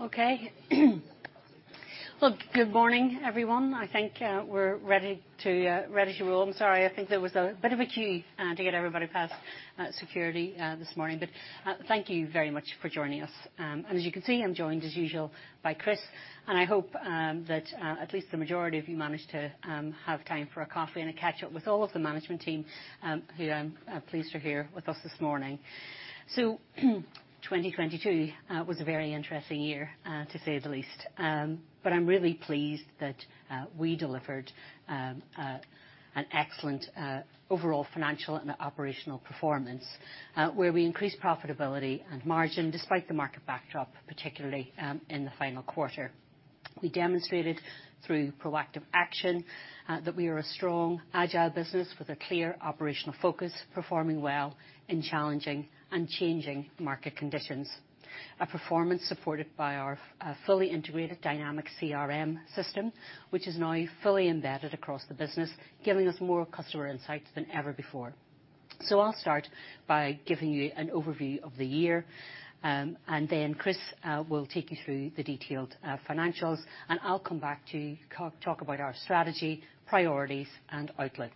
Okay. Well, good morning, everyone. I think we're ready to ready to roll. I'm sorry. I think there was a bit of a queue to get everybody past security this morning. Thank you very much for joining us. As you can see, I'm joined, as usual, by Chris, and I hope that at least the majority of you managed to have time for a coffee and to catch up with all of the management team who I'm pleased are here with us this morning. 2022 was a very interesting year to say the least. I'm really pleased that we delivered an excellent overall financial and operational performance where we increased profitability and margin despite the market backdrop, particularly in the final quarter. We demonstrated through proactive action that we are a strong, agile business with a clear operational focus, performing well in challenging and changing market conditions. A performance supported by our fully integrated dynamic CRM system, which is now fully embedded across the business, giving us more customer insights than ever before. I'll start by giving you an overview of the year, and then Chris will take you through the detailed financials, and I'll come back to talk about our strategy, priorities, and outlook.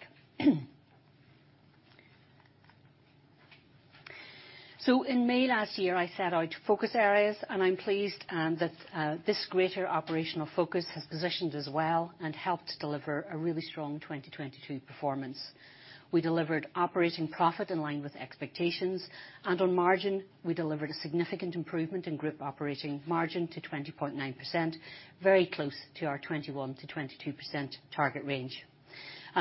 In May last year, I set out focus areas, and I'm pleased that this greater operational focus has positioned us well and helped deliver a really strong 2022 performance. We delivered operating profit in line with expectations. On margin, we delivered a significant improvement in group operating margin to 20.9%, very close to our 21%-22% target range.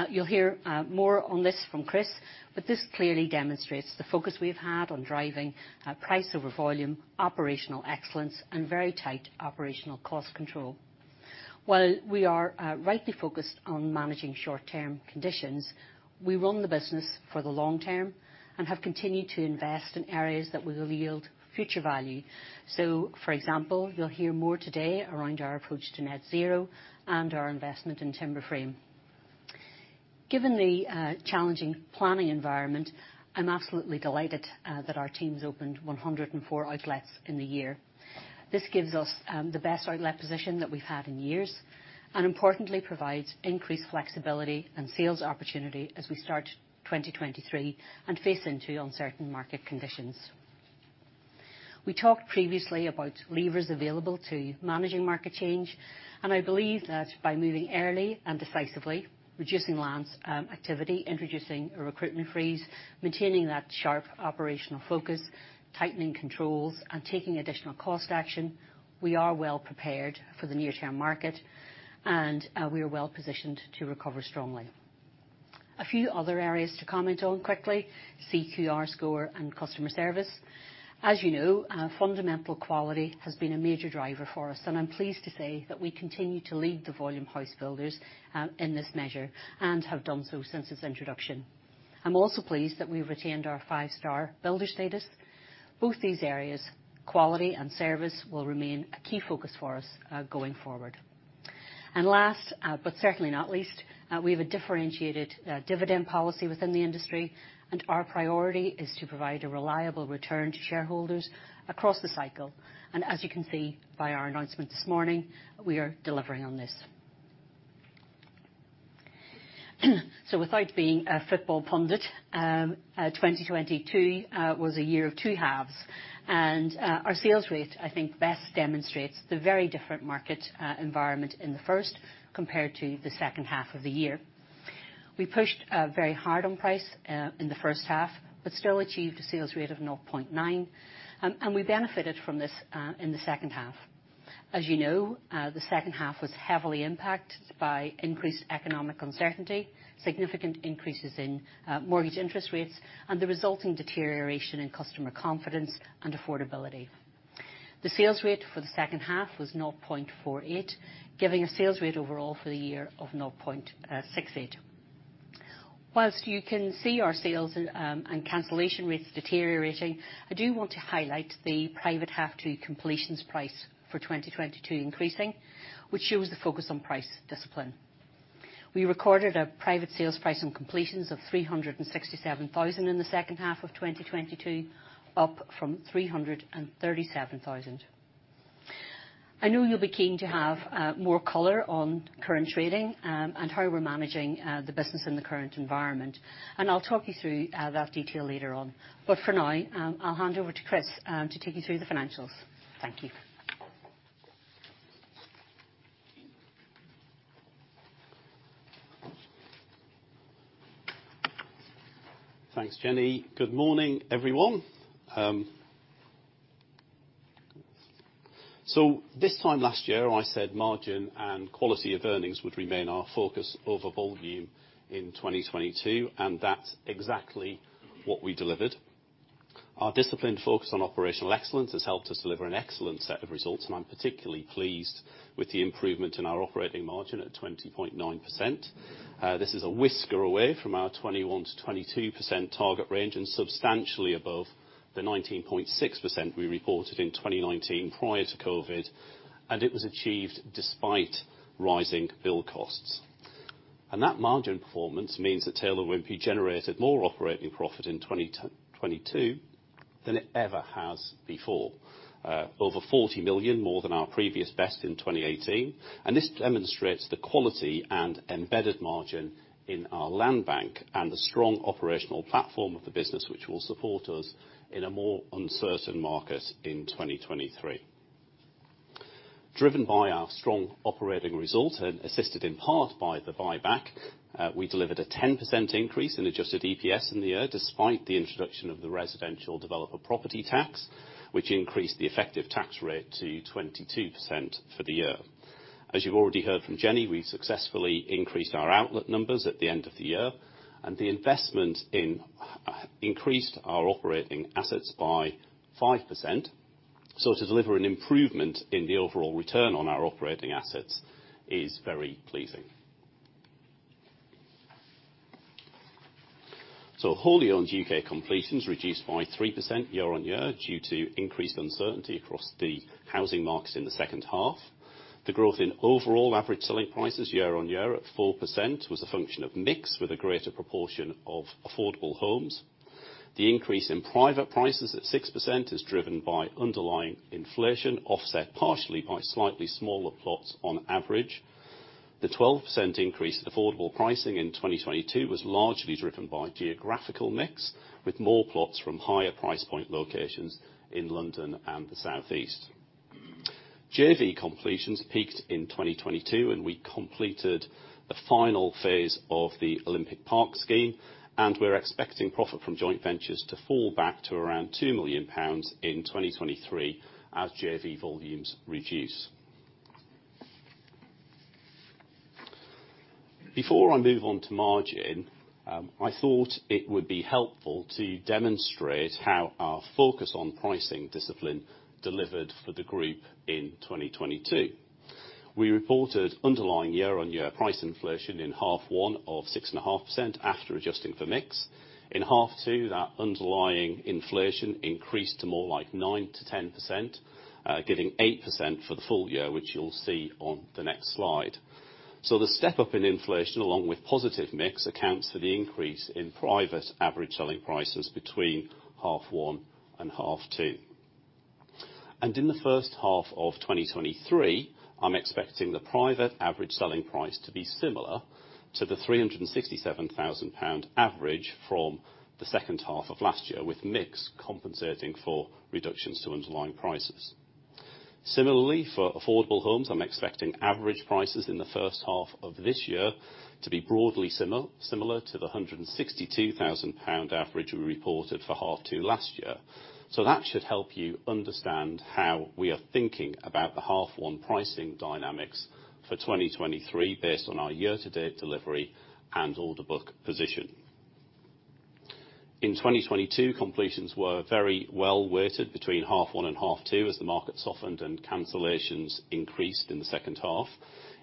You'll hear more on this from Chris, but this clearly demonstrates the focus we've had on driving price over volume, operational excellence, and very tight operational cost control. While we are rightly focused on managing short-term conditions, we run the business for the long term and have continued to invest in areas that will yield future value. For example, you'll hear more today around our approach to net zero and our investment in timber frame. Given the challenging planning environment, I'm absolutely delighted that our teams opened 104 outlets in the year. This gives us the best outlet position that we've had in years, importantly provides increased flexibility and sales opportunity as we start 2023 and face into uncertain market conditions. We talked previously about levers available to managing market change, I believe that by moving early and decisively, reducing lands activity, introducing a recruitment freeze, maintaining that sharp operational focus, tightening controls, and taking additional cost action, we are well prepared for the near-term market, and we are well positioned to recover strongly. A few other areas to comment on quickly, CQR score and customer service. As you know, fundamental quality has been a major driver for us, I'm pleased to say that we continue to lead the volume house builders in this measure and have done so since its introduction. I'm also pleased that we've retained our five-star builder status. Both these areas, quality and service, will remain a key focus for us, going forward. Last, but certainly not least, we have a differentiated, dividend policy within the industry, and our priority is to provide a reliable return to shareholders across the cycle. As you can see by our announcement this morning, we are delivering on this. Without being a football pundit, 2022, was a year of two halves. Our sales rate, I think, best demonstrates the very different market, environment in the first compared to the second half of the year. We pushed, very hard on price, in the first half, but still achieved a sales rate of 0.9, and we benefited from this, in the second half. As you know, the second half was heavily impacted by increased economic uncertainty, significant increases in mortgage interest rates, and the resulting deterioration in customer confidence and affordability. The sales rate for the second half was 0.48, giving a sales rate overall for the year of 0.68. Whilst you can see our sales and cancellation rates deteriorating, I do want to highlight the private H2 completions price for 2022 increasing, which shows the focus on price discipline. We recorded a private sales price on completions of 367,000 in the second half of 2022, up from 337,000. I know you'll be keen to have more color on current trading, and how we're managing the business in the current environment, and I'll talk you through that detail later on. For now, I'll hand over to Chris to take you through the financials. Thank you. Thanks, Jennie. Good morning, everyone. This time last year, I said margin and quality of earnings would remain our focus over volume in 2022, that's exactly what we delivered. Our disciplined focus on operational excellence has helped us deliver an excellent set of results, I'm particularly pleased with the improvement in our operating margin at 20.9%. This is a whisker away from our 21%-22% target range substantially above the 19.6% we reported in 2019 prior to COVID, it was achieved despite rising build costs. That margin performance means that Taylor Wimpey generated more operating profit in 2022 than it ever has before. Over 40 million more than our previous best in 2018. This demonstrates the quality and embedded margin in our land bank and the strong operational platform of the business which will support us in a more uncertain market in 2023. Driven by our strong operating result and assisted in part by the buyback, we delivered a 10% increase in adjusted EPS in the year despite the introduction of the Residential Property Developer Tax, which increased the effective tax rate to 22% for the year. As you've already heard from Jennie, we've successfully increased our outlet numbers at the end of the year, and the investment in, increased our operating assets by 5%. To deliver an improvement in the overall return on our operating assets is very pleasing. Wholly owned U.K. Completions reduced by 3% year-on-year due to increased uncertainty across the housing markets in the second half. The growth in overall average selling prices year-on-year at 4% was a function of mix with a greater proportion of affordable homes. The increase in private prices at 6% is driven by underlying inflation, offset partially by slightly smaller plots on average. The 12% increase in affordable pricing in 2022 was largely driven by geographical mix, with more plots from higher price point locations in London and the South East. JV completions peaked in 2022, and we completed the final phase of the Olympic Park scheme, and we're expecting profit from joint ventures to fall back to around 2 million pounds in 2023 as JV volumes reduce. Before I move on to margin, I thought it would be helpful to demonstrate how our focus on pricing discipline delivered for the group in 2022. We reported underlying year-on-year price inflation in H1 of 6.5% after adjusting for mix. In H2, that underlying inflation increased to more like 9%-10%, giving 8% for the full year, which you'll see on the next slide. The step-up in inflation, along with positive mix, accounts for the increase in private average selling prices between H1 and H2. In the first half of 2023, I'm expecting the private average selling price to be similar to the 367,000 pound average from the second half of last year, with mix compensating for reductions to underlying prices. Similarly, for affordable homes, I'm expecting average prices in the first half of this year to be broadly similar to the 162,000 pound average we reported for H2 last year. That should help you understand how we are thinking about the half 1 pricing dynamics for 2023 based on our year-to-date delivery and order book position. In 2022, completions were very well weighted between H1 and H2 as the market softened and cancellations increased in the second half.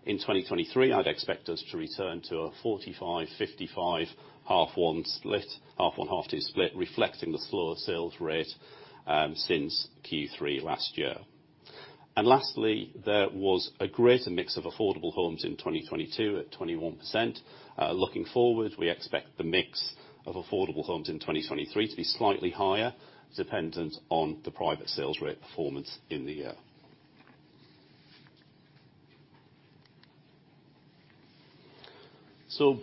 In 2023, I'd expect us to return to a 45-55 H1, H2 split reflecting the slower sales rate since Q3 last year. Lastly, there was a greater mix of affordable homes in 2022 at 21%. Looking forward, we expect the mix of affordable homes in 2023 to be slightly higher, dependent on the private sales rate performance in the year.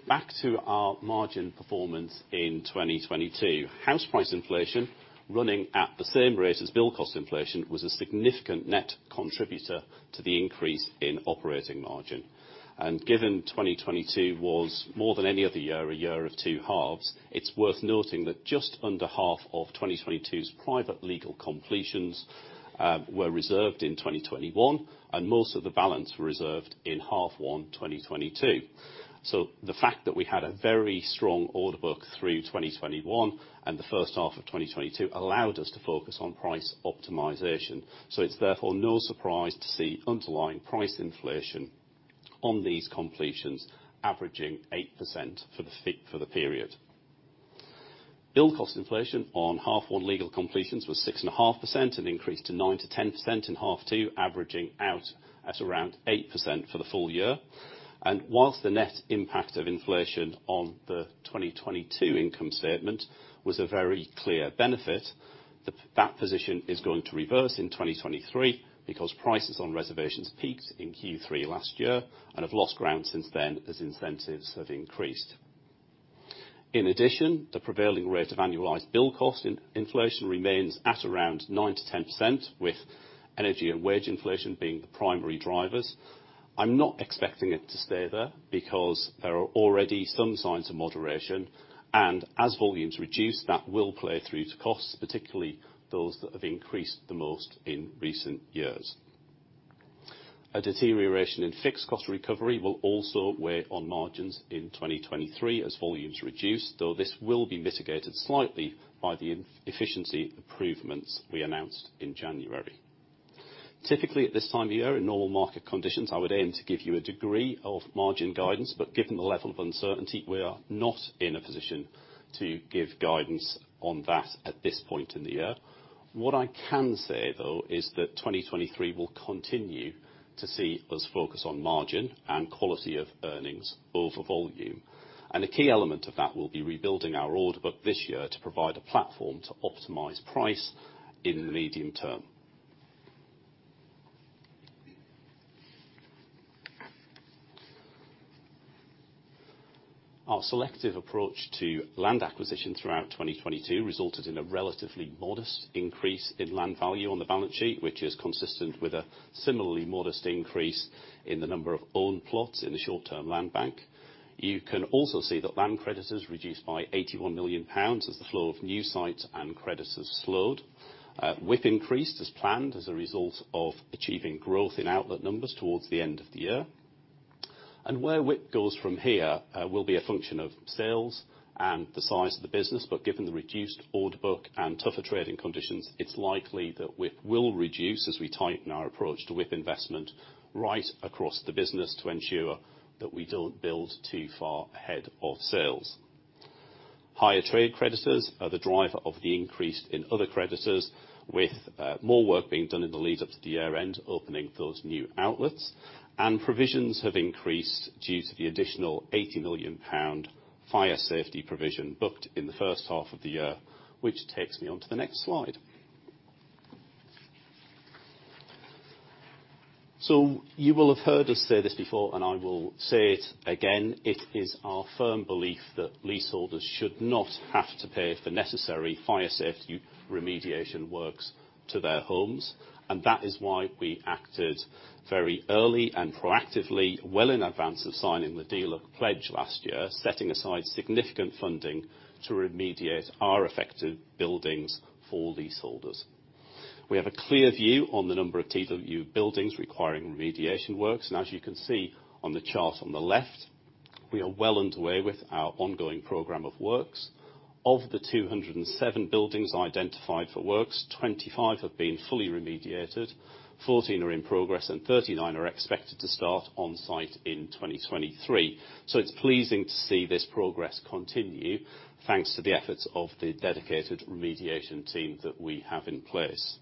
Back to our margin performance in 2022. House price inflation running at the same rate as build cost inflation was a significant net contributor to the increase in operating margin. Given 2022 was more than any other year, a year of two halves, it's worth noting that just under half of 2022's private legal completions, were reserved in 2021, and most of the balance were reserved in H1, 2022. The fact that we had a very strong order book through 2021 and the first half of 2022 allowed us to focus on price optimization. It's therefore no surprise to see underlying price inflation on these completions averaging 8% for the for the period. Build cost inflation on H1 legal completions was 6.5%, an increase to 9%-10% in H2, averaging out at around 8% for the full year. Whilst the net impact of inflation on the 2022 income statement was a very clear benefit, that position is going to reverse in 2023 because prices on reservations peaked in Q3 last year and have lost ground since then as incentives have increased. In addition, the prevailing rate of annualized build cost inflation remains at around 9%-10%, with energy and wage inflation being the primary drivers. I'm not expecting it to stay there because there are already some signs of moderation. As volumes reduce, that will play through to costs, particularly those that have increased the most in recent years. A deterioration in fixed cost recovery will also weigh on margins in 2023 as volumes reduce, though this will be mitigated slightly by the efficiency improvements we announced in January. Typically, at this time of year, in normal market conditions, I would aim to give you a degree of margin guidance, but given the level of uncertainty, we are not in a position to give guidance on that at this point in the year. What I can say, though, is that 2023 will continue to see us focus on margin and quality of earnings over volume. A key element of that will be rebuilding our order book this year to provide a platform to optimize price in the medium term. Our selective approach to land acquisition throughout 2022 resulted in a relatively modest increase in land value on the balance sheet, which is consistent with a similarly modest increase in the number of owned plots in the short-term land bank. You can also see that land creditors reduced by 81 million pounds as the flow of new sites and creditors slowed. WIP increased as planned as a result of achieving growth in outlet numbers towards the end of the year. Where WIP goes from here will be a function of sales and the size of the business. Given the reduced order book and tougher trading conditions, it's likely that WIP will reduce as we tighten our approach to WIP investment right across the business to ensure that we don't build too far ahead of sales. Higher trade creditors are the driver of the increase in other creditors with more work being done in the lead-up to the year-end, opening those new outlets. Provisions have increased due to the additional 80 million pound fire safety provision booked in the first half of the year, which takes me on to the next slide. You will have heard us say this before, and I will say it again. It is our firm belief that leaseholders should not have to pay for necessary fire safety remediation works to their homes. That is why we acted very early and proactively well in advance of signing the Developer Pledge last year, setting aside significant funding to remediate our affected buildings for leaseholders. We have a clear view on the number of TW buildings requiring remediation works. As you can see on the chart on the left, we are well underway with our ongoing program of works. Of the 207 buildings identified for works, 25 have been fully remediated, 14 are in progress, and 39 are expected to start on site in 2023. It's pleasing to see this progress continue thanks to the efforts of the dedicated remediation team that we have in place.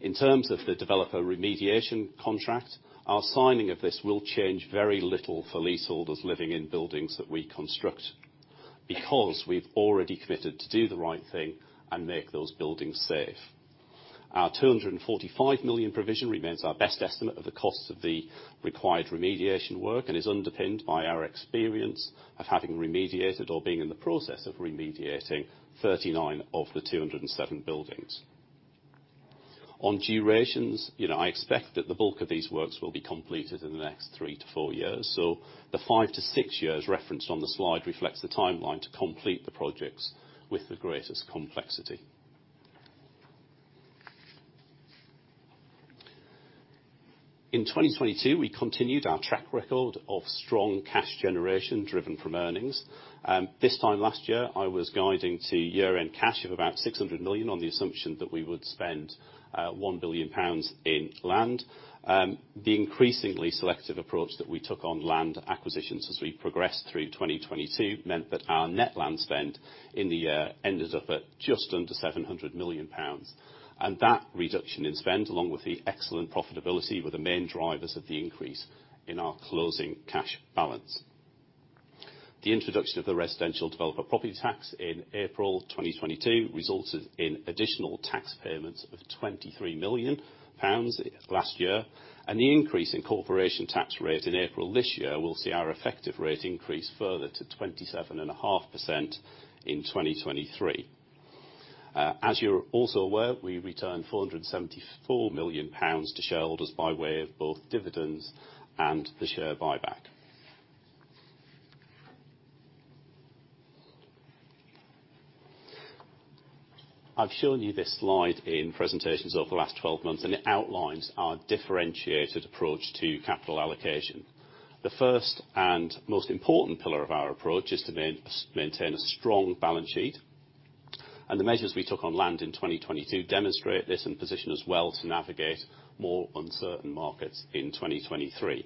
In terms of the Developer Remediation Contract, our signing of this will change very little for leaseholders living in buildings that we construct because we've already committed to do the right thing and make those buildings safe. Our 245 million provision remains our best estimate of the cost of the required remediation work and is underpinned by our experience of having remediated or being in the process of remediating 39 of the 207 buildings. On durations, you know, I expect that the bulk of these works will be completed in the next three to four years, so the five to six years referenced on the slide reflects the timeline to complete the projects with the greatest complexity. In 2022, we continued our track record of strong cash generation driven from earnings. This time last year, I was guiding to year-end cash of about 600 million on the assumption that we would spend 1 billion pounds in land. The increasingly selective approach that we took on land acquisitions as we progressed through 2022 meant that our net land spend in the year ended up at just under 700 million pounds. That reduction in spend, along with the excellent profitability, were the main drivers of the increase in our closing cash balance. The introduction of the Residential Property Developer Tax in April 2022 resulted in additional tax payments of 23 million pounds last year. The increase in corporation tax rate in April this year will see our effective rate increase further to 27.5% in 2023. As you're also aware, we returned 474 million pounds to shareholders by way of both dividends and the share buyback. I've shown you this slide in presentations over the last 12 months. It outlines our differentiated approach to capital allocation. The first and most important pillar of our approach is to maintain a strong balance sheet. The measures we took on land in 2022 demonstrate this and position us well to navigate more uncertain markets in 2023.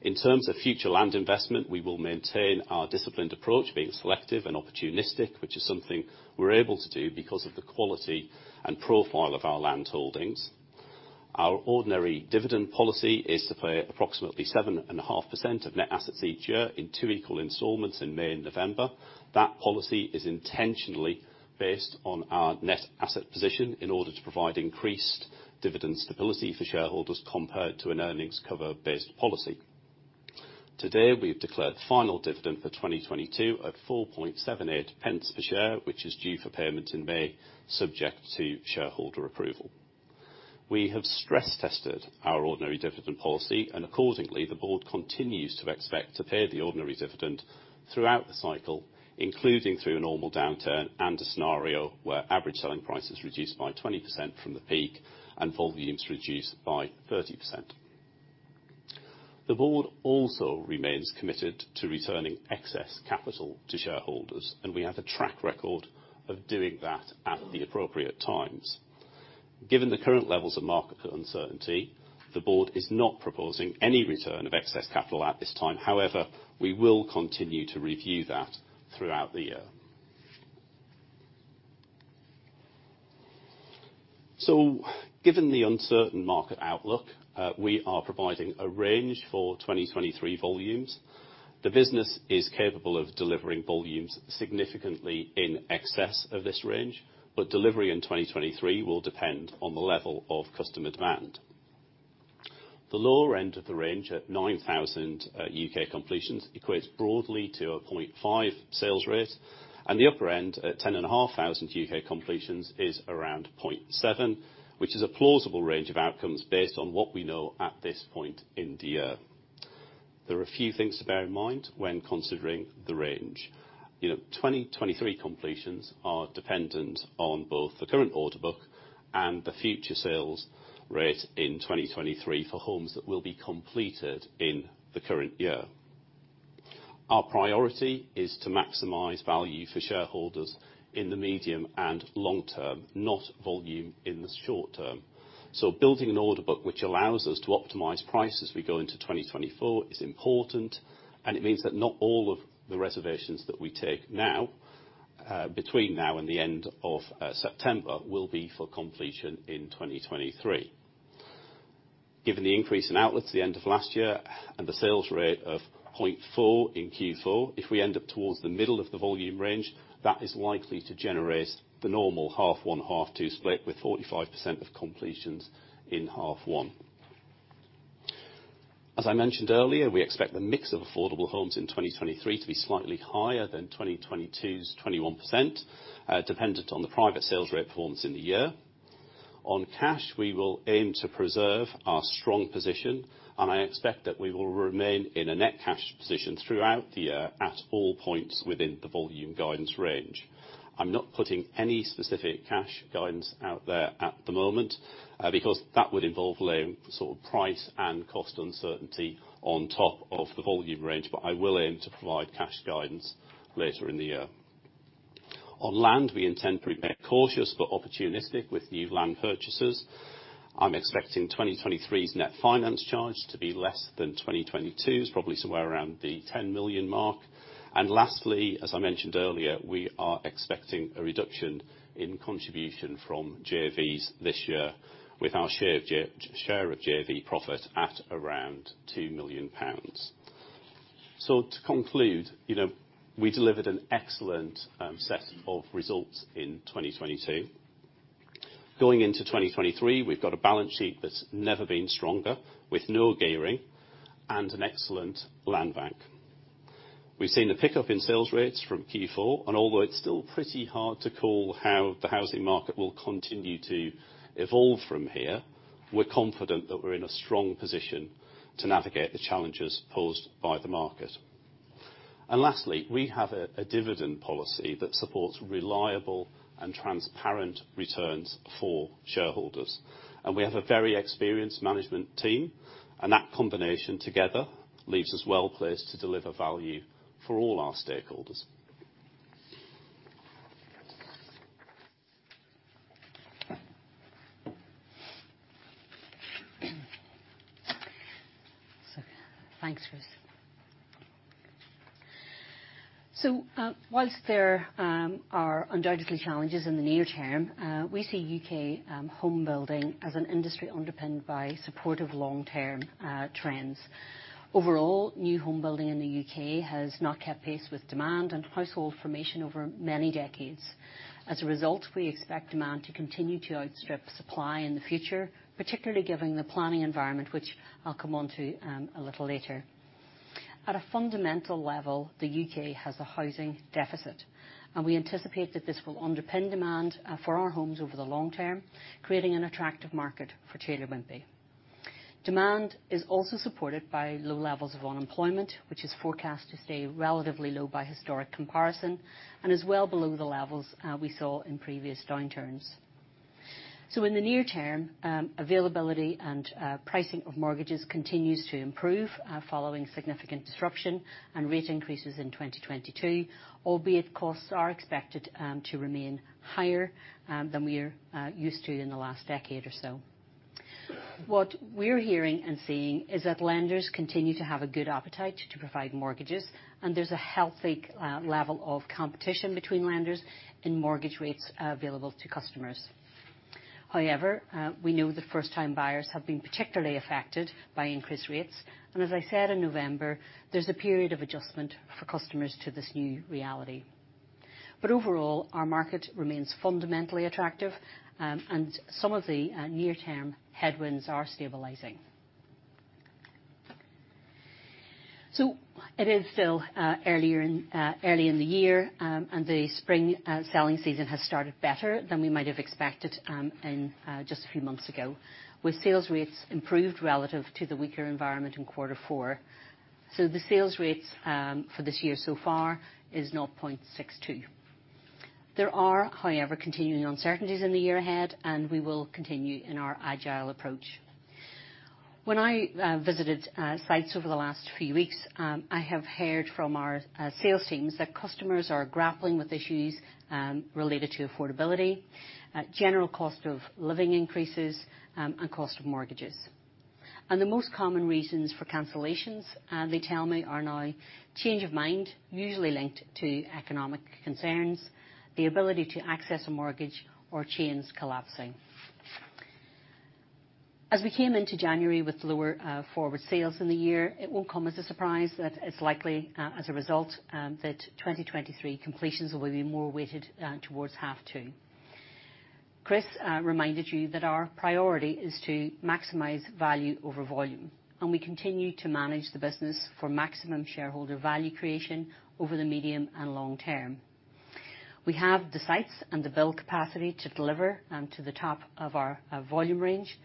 In terms of future land investment, we will maintain our disciplined approach, being selective and opportunistic, which is something we're able to do because of the quality and profile of our land holdings. Our ordinary dividend policy is to pay approximately 7.5% of net assets each year in two equal installments in May and November. That policy is intentionally based on our net asset position in order to provide increased dividend stability for shareholders compared to an earnings cover based policy. Today, we have declared the final dividend for 2022 at 0.0478 per share, which is due for payment in May, subject to shareholder approval. We have stress tested our ordinary dividend policy, and accordingly, the board continues to expect to pay the ordinary dividend throughout the cycle, including through a normal downturn and a scenario where average selling price is reduced by 20% from the peak and volumes reduced by 30%. The board also remains committed to returning excess capital to shareholders, and we have a track record of doing that at the appropriate times. Given the current levels of market uncertainty, the board is not proposing any return of excess capital at this time. However, we will continue to review that throughout the year. Given the uncertain market outlook, we are providing a range for 2023 volumes. The business is capable of delivering volumes significantly in excess of this range, but delivery in 2023 will depend on the level of customer demand. The lower end of the range at 9,000 U.K. completions equates broadly to a 0.5 sales rate, and the upper end at 10,500 U.K. completions is around 0.7, which is a plausible range of outcomes based on what we know at this point in the year. There are a few things to bear in mind when considering the range. You know, 2023 completions are dependent on both the current order book and the future sales rate in 2023 for homes that will be completed in the current year. Our priority is to maximize value for shareholders in the medium and long term, not volume in the short term. Building an order book which allows us to optimize price as we go into 2024 is important. It means that not all of the reservations that we take now, between now and the end of September, will be for completion in 2023. Given the increase in outlets at the end of last year and the sales rate of 0.4 in Q4, if we end up towards the middle of the volume range, that is likely to generate the normal H1, H2 split with 45% of completions in H1. As I mentioned earlier, we expect the mix of affordable homes in 2023 to be slightly higher than 2022's 21%, dependent on the private sales rate performance in the year. On cash, we will aim to preserve our strong position, and I expect that we will remain in a net cash position throughout the year at all points within the volume guidance range. I'm not putting any specific cash guidance out there at the moment because that would involve laying sort of price and cost uncertainty on top of the volume range, but I will aim to provide cash guidance later in the year. On land, we intend to remain cautious but opportunistic with new land purchases. I'm expecting 2023's net finance charge to be less than 2022's, probably somewhere around the 10 million mark. Lastly, as I mentioned earlier, we are expecting a reduction in contribution from JVs this year with our share of JV profit at around 2 million pounds. To conclude, you know, we delivered an excellent set of results in 2022. Going into 2023, we've got a balance sheet that's never been stronger, with no gearing and an excellent land bank. We've seen a pickup in sales rates from Q4, and although it's still pretty hard to call how the housing market will continue to evolve from here, we're confident that we're in a strong position to navigate the challenges posed by the market. Lastly, we have a dividend policy that supports reliable and transparent returns for shareholders. We have a very experienced management team, and that combination together leaves us well placed to deliver value for all our stakeholders. Thanks, Chris. Whilst there are undoubtedly challenges in the near term, we see UK home building as an industry underpinned by supportive long-term trends. Overall, new home building in the U.K. has not kept pace with demand and household formation over many decades. As a result, we expect demand to continue to outstrip supply in the future, particularly given the planning environment, which I'll come onto a little later. At a fundamental level, the U.K. has a housing deficit, and we anticipate that this will underpin demand for our homes over the long term, creating an attractive market for Taylor Wimpey. Demand is also supported by low levels of unemployment, which is forecast to stay relatively low by historic comparison and is well below the levels we saw in previous downturns. In the near term, availability and pricing of mortgages continues to improve, following significant disruption and rate increases in 2022, albeit costs are expected to remain higher than we're used to in the last decade or so. What we're hearing and seeing is that lenders continue to have a good appetite to provide mortgages, and there's a healthy level of competition between lenders in mortgage rates available to customers. We know that first-time buyers have been particularly affected by increased rates, and as I said in November, there's a period of adjustment for customers to this new reality. Overall, our market remains fundamentally attractive, and some of the near-term headwinds are stabilizing. It is still early in the year, and the spring selling season has started better than we might have expected in just a few months ago, with sales rates improved relative to the weaker environment in quarter four. The sales rates for this year so far is 0.62. There are, however, continuing uncertainties in the year ahead, and we will continue in our agile approach. When I visited sites over the last few weeks, I have heard from our sales teams that customers are grappling with issues related to affordability, general cost of living increases, and cost of mortgages. The most common reasons for cancellations, they tell me, are now change of mind, usually linked to economic concerns, the ability to access a mortgage or chains collapsing. As we came into January with lower forward sales in the year, it won't come as a surprise that it's likely as a result that 2023 completions will be more weighted towards H2. Chris reminded you that our priority is to maximize value over volume, and we continue to manage the business for maximum shareholder value creation over the medium and long term. We have the sites and the build capacity to deliver to the top of our volume range,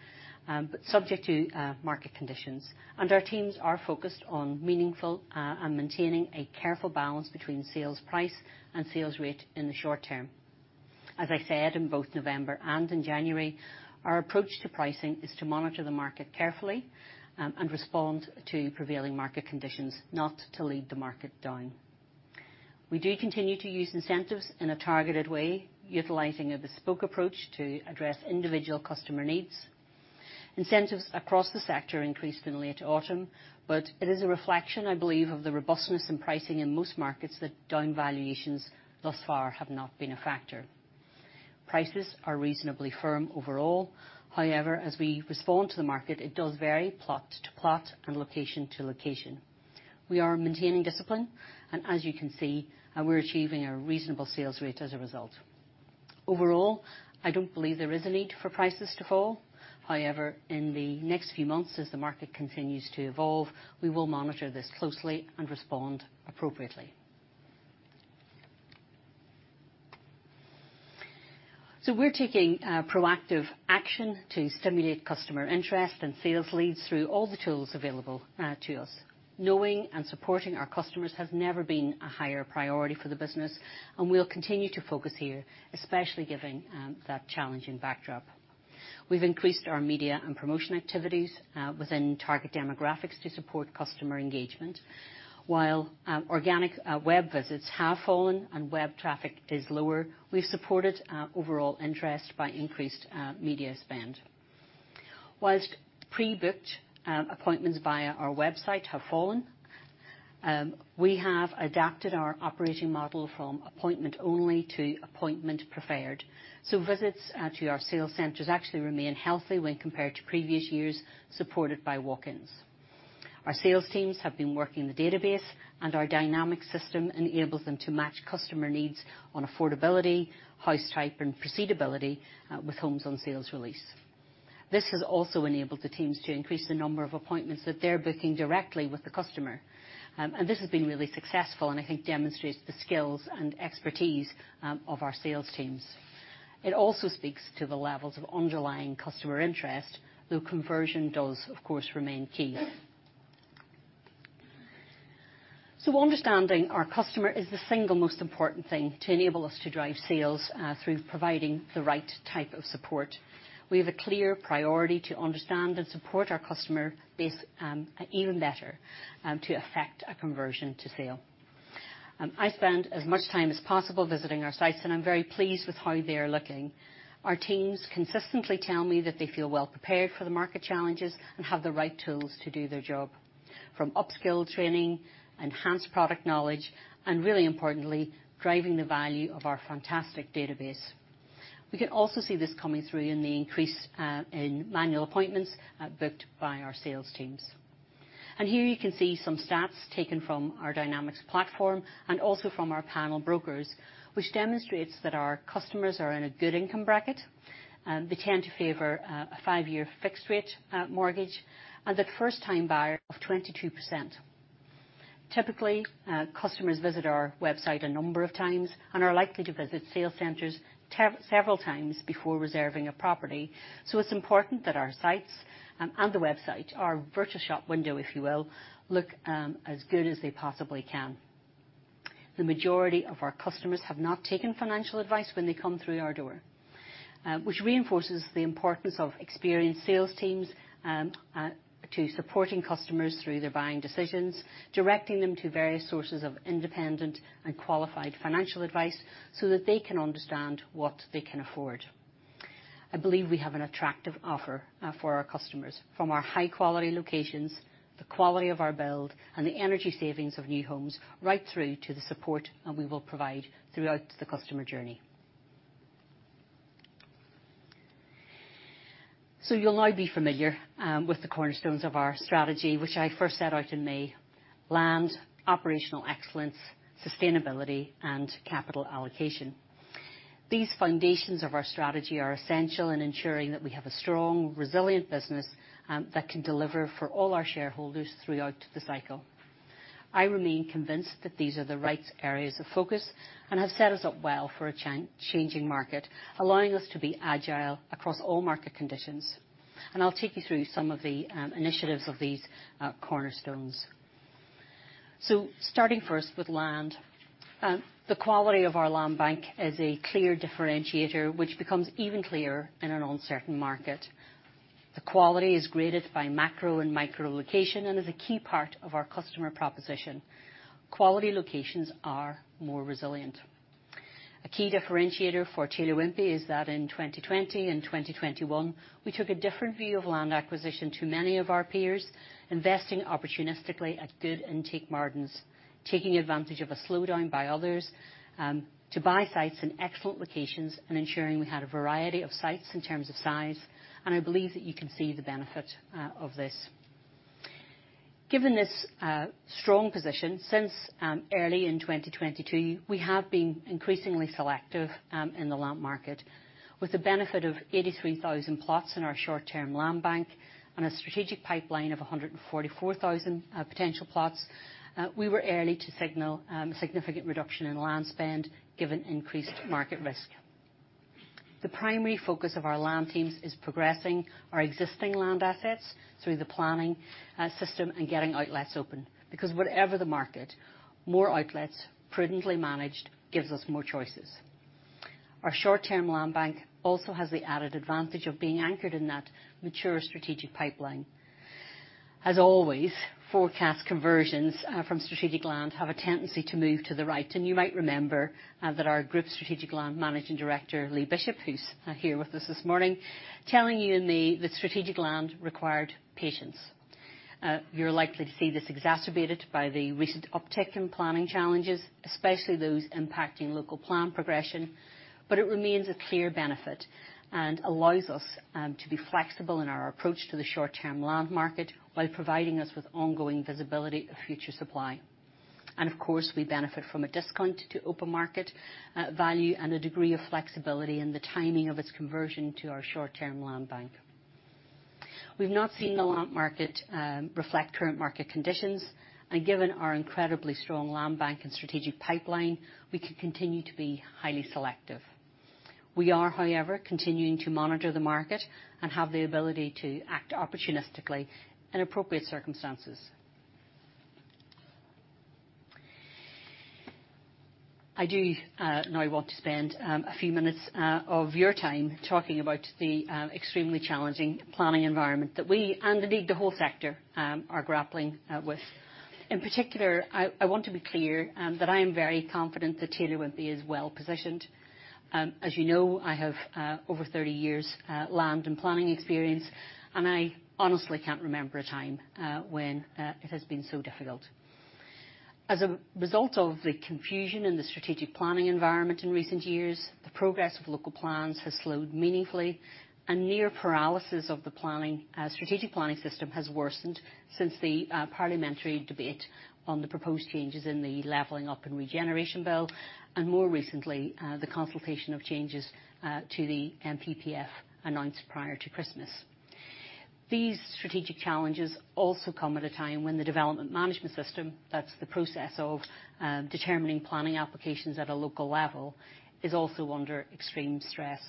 but subject to market conditions. Our teams are focused on meaningful and maintaining a careful balance between sales price and sales rate in the short term. As I said, in both November and in January, our approach to pricing is to monitor the market carefully and respond to prevailing market conditions, not to lead the market down. We do continue to use incentives in a targeted way, utilizing a bespoke approach to address individual customer needs. Incentives across the sector increased in late autumn, but it is a reflection, I believe, of the robustness in pricing in most markets that down valuations thus far have not been a factor. Prices are reasonably firm overall. However, as we respond to the market, it does vary plot to plot and location to location. We are maintaining discipline, and as you can see, we're achieving a reasonable sales rate as a result. Overall, I don't believe there is a need for prices to fall. However, in the next few months, as the market continues to evolve, we will monitor this closely and respond appropriately. We're taking proactive action to stimulate customer interest and sales leads through all the tools available to us. Knowing and supporting our customers has never been a higher priority for the business, and we'll continue to focus here, especially given that challenging backdrop. We've increased our media and promotion activities within target demographics to support customer engagement. While organic web visits have fallen and web traffic is lower, we've supported overall interest by increased media spend. Whilst pre-booked appointments via our website have fallen, we have adapted our operating model from appointment only to appointment preferred. Visits to our sales centers actually remain healthy when compared to previous years, supported by walk-ins. Our sales teams have been working the database, and our dynamic system enables them to match customer needs on affordability, house type, and proceed ability with homes on sales release. This has also enabled the teams to increase the number of appointments that they're booking directly with the customer. This has been really successful and I think demonstrates the skills and expertise of our sales teams. It also speaks to the levels of underlying customer interest, though conversion does, of course, remain key. Understanding our customer is the single most important thing to enable us to drive sales through providing the right type of support. We have a clear priority to understand and support our customer base, even better, to affect a conversion to sale. I spend as much time as possible visiting our sites, and I'm very pleased with how they are looking. Our teams consistently tell me that they feel well prepared for the market challenges and have the right tools to do their job. From up-skill training, enhanced product knowledge, and really importantly, driving the value of our fantastic database. We can also see this coming through in the increase in manual appointments booked by our sales teams. Here you can see some stats taken from our Dynamics platform and also from our panel brokers, which demonstrates that our customers are in a good income bracket, they tend to favor a five-year fixed rate mortgage, and are first-time buyer of 22%. Typically, customers visit our website a number of times and are likely to visit sales centers several times before reserving a property, so it's important that our sites, and the website, our virtual shop window, if you will, look as good as they possibly can. The majority of our customers have not taken financial advice when they come through our door, which reinforces the importance of experienced sales teams to supporting customers through their buying decisions, directing them to various sources of independent and qualified financial advice so that they can understand what they can afford. I believe we have an attractive offer for our customers. From our high quality locations, the quality of our build, and the energy savings of new homes, right through to the support that we will provide throughout the customer journey. You'll now be familiar with the cornerstones of our strategy, which I first set out in May: land, operational excellence, sustainability, and capital allocation. These foundations of our strategy are essential in ensuring that we have a strong, resilient business that can deliver for all our shareholders throughout the cycle. I remain convinced that these are the right areas of focus and have set us up well for a changing market, allowing us to be agile across all market conditions. I'll take you through some of the initiatives of these cornerstones. Starting first with land. The quality of our land bank is a clear differentiator, which becomes even clearer in an uncertain market. The quality is graded by macro and micro location, and is a key part of our customer proposition. Quality locations are more resilient. A key differentiator for Taylor Wimpey is that in 2020 and 2021, we took a different view of land acquisition to many of our peers, investing opportunistically at good intake margins, taking advantage of a slowdown by others, to buy sites in excellent locations and ensuring we had a variety of sites in terms of size. I believe that you can see the benefit of this. Given this strong position, since early in 2022, we have been increasingly selective in the land market. With the benefit of 83,000 plots in our short-term land bank and a strategic pipeline of 144,000 potential plots, we were early to signal a significant reduction in land spend given increased market risk. The primary focus of our land teams is progressing our existing land assets through the planning system and getting outlets open because whatever the market, more outlets prudently managed gives us more choices. Our short-term land bank also has the added advantage of being anchored in that mature strategic pipeline. Forecast conversions from strategic land have a tendency to move to the right. You might remember that our Group Strategic Land Managing Director Lee Bishop, who's here with us this morning, telling you in May that strategic land required patience. You're likely to see this exacerbated by the recent uptick in planning challenges, especially those impacting local plan progression. It remains a clear benefit and allows us to be flexible in our approach to the short-term land market while providing us with ongoing visibility of future supply. Of course, we benefit from a discount to open market value, and a degree of flexibility in the timing of its conversion to our short-term land bank. We've not seen the land market reflect current market conditions, and given our incredibly strong land bank and strategic pipeline, we can continue to be highly selective. We are, however, continuing to monitor the market and have the ability to act opportunistically in appropriate circumstances. I do now want to spend a few minutes of your time talking about the extremely challenging planning environment that we and indeed the whole sector are grappling with. In particular, I want to be clear that I am very confident that Taylor Wimpey is well-positioned. As you know, I have over 30 years' land and planning experience, and I honestly can't remember a time when it has been so difficult. As a result of the confusion in the strategic planning environment in recent years, the progress of local plans has slowed meaningfully and near paralysis of the planning strategic planning system has worsened since the parliamentary debate on the proposed changes in the Levelling-up and Regeneration Bill, and more recently, the consultation of changes to the NPPF announced prior to Christmas. These strategic challenges also come at a time when the development management system, that's the process of determining planning applications at a local level, is also under extreme stress.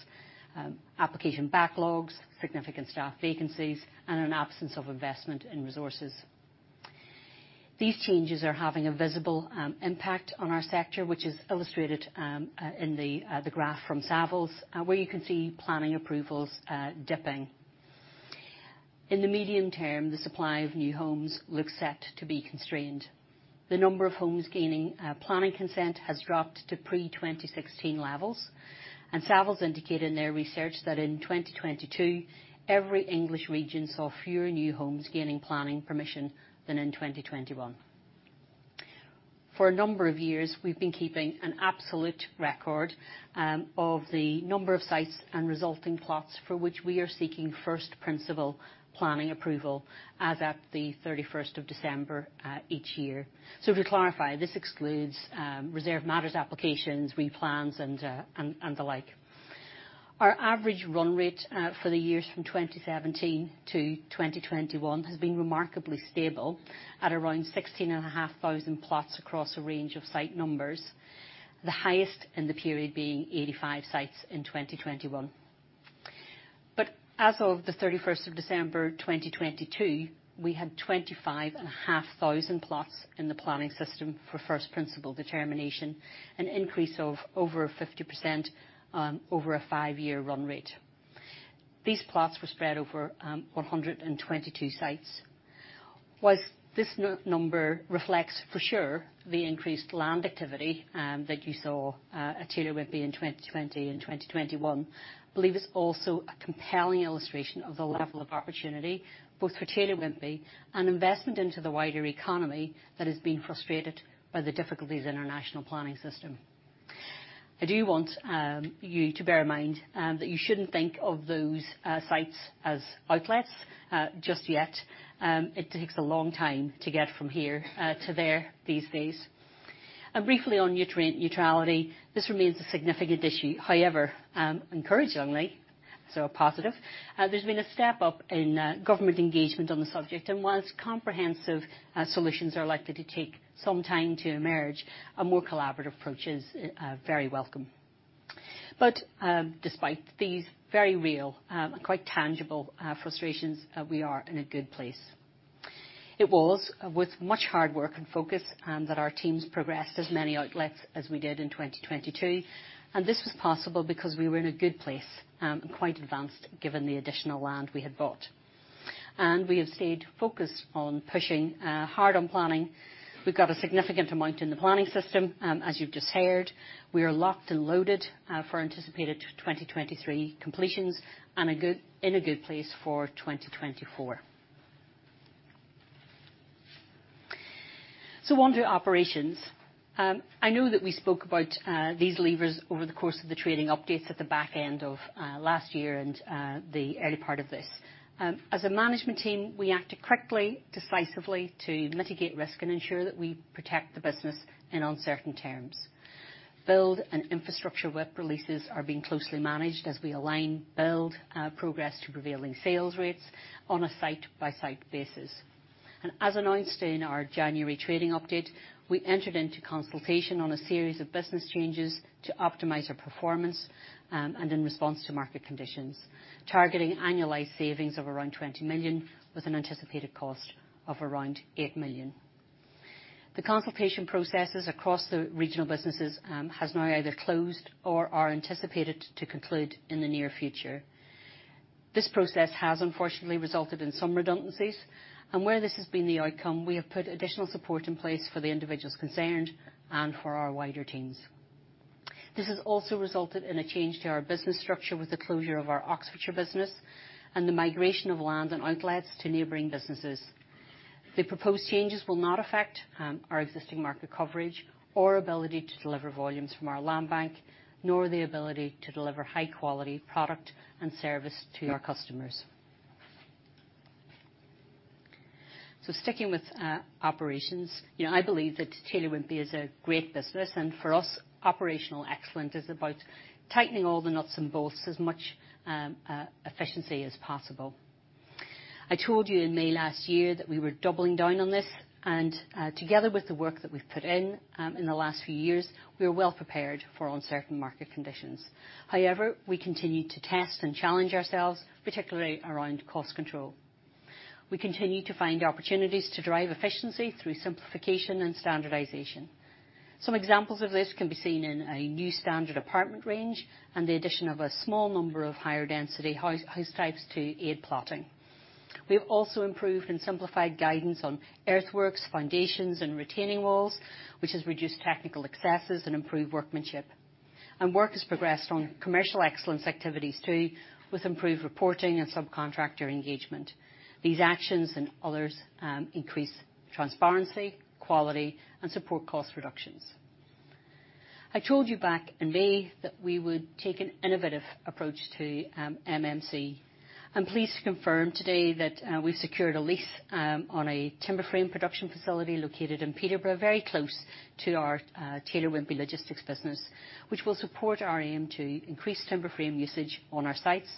Application backlogs, significant staff vacancies, and an absence of investment in resources. These changes are having a visible impact on our sector, which is illustrated in the graph from Savills, where you can see planning approvals dipping. In the medium term, the supply of new homes looks set to be constrained. The number of homes gaining planning consent has dropped to pre-2016 levels. Savills indicate in their research that in 2022, every English region saw fewer new homes gaining planning permission than in 2021. For a number of years, we've been keeping an absolute record of the number of sites and resulting plots for which we are seeking first principle planning approval as at the 31st of December each year. To clarify, this excludes reserve matters applications, replans and the like. Our average run rate for the years from 2017 to 2021 has been remarkably stable at around 16,500 plots across a range of site numbers. The highest in the period being 85 sites in 2021. As of the 31st of December, 2022, we had 25,500 plots in the planning system for first principle determination, an increase of over 50% over a five-year run rate. These plots were spread over 122 sites. Whilst this number reflects for sure the increased land activity that you saw at Taylor Wimpey in 2020 and 2021, believe it's also a compelling illustration of the level of opportunity both for Taylor Wimpey and investment into the wider economy that is being frustrated by the difficulties in our national planning system. I do want you to bear in mind that you shouldn't think of those sites as outlets just yet. It takes a long time to get from here to there these days. Briefly on nutrient neutrality, this remains a significant issue. However, encouragingly, so a positive, there's been a step up in government engagement on the subject. Whilst comprehensive solutions are likely to take some time to emerge, a more collaborative approach is very welcome. Despite these very real and quite tangible frustrations, we are in a good place. It was with much hard work and focus that our teams progressed as many outlets as we did in 2022, and this was possible because we were in a good place and quite advanced given the additional land we had bought. We have stayed focused on pushing hard on planning. We've got a significant amount in the planning system. As you've just heard, we are locked and loaded for anticipated 2023 completions, in a good place for 2024. On to operations. I know that we spoke about these levers over the course of the trading updates at the back end of last year and the early part of this. As a management team, we acted quickly, decisively to mitigate risk and ensure that we protect the business in uncertain terms. Build and infrastructure WIP releases are being closely managed as we align build progress to prevailing sales rates on a site-by-site basis. As announced in our January trading update, we entered into consultation on a series of business changes to optimize our performance, and in response to market conditions, targeting annualized savings of around 20 million, with an anticipated cost of around 8 million. The consultation processes across the regional businesses has now either closed or are anticipated to conclude in the near future. This process has, unfortunately, resulted in some redundancies, and where this has been the outcome, we have put additional support in place for the individuals concerned and for our wider teams. This has also resulted in a change to our business structure with the closure of our Oxfordshire business and the migration of land and outlets to neighboring businesses. The proposed changes will not affect our existing market coverage or ability to deliver volumes from our land bank, nor the ability to deliver high-quality product and service to our customers. Sticking with operations, you know, I believe that Taylor Wimpey is a great business, and for us, operational excellence is about tightening all the nuts and bolts as much efficiency as possible. I told you in May last year that we were doubling down on this, and together with the work that we've put in in the last few years, we are well prepared for uncertain market conditions. However, we continue to test and challenge ourselves, particularly around cost control. We continue to find opportunities to drive efficiency through simplification and standardization. Some examples of this can be seen in a new standard apartment range and the addition of a small number of higher density house types to aid plotting. We have also improved and simplified guidance on earthworks, foundations and retaining walls, which has reduced technical excesses and improved workmanship. Work has progressed on commercial excellence activities too, with improved reporting and subcontractor engagement. These actions and others increase transparency, quality, and support cost reductions. I told you back in May that we would take an innovative approach to MMC. I'm pleased to confirm today that we've secured a lease on a timber frame production facility located in Peterborough, very close to our Taylor Wimpey Logistics business, which will support our aim to increase timber frame usage on our sites,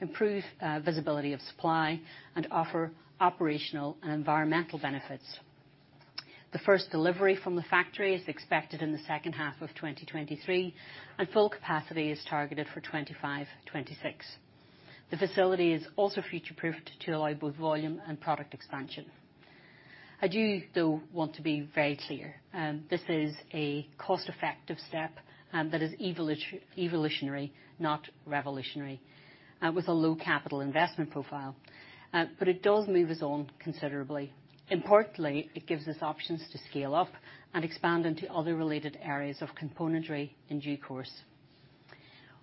improve visibility of supply and offer operational and environmental benefits. The first delivery from the factory is expected in the second half of 2023. Full capacity is targeted for 2025-2026. The facility is also future-proofed to allow both volume and product expansion. I do, though, want to be very clear, this is a cost-effective step that is evolutionary, not revolutionary, with a low capital investment profile. It does move us on considerably. Importantly, it gives us options to scale up and expand into other related areas of componentry in due course.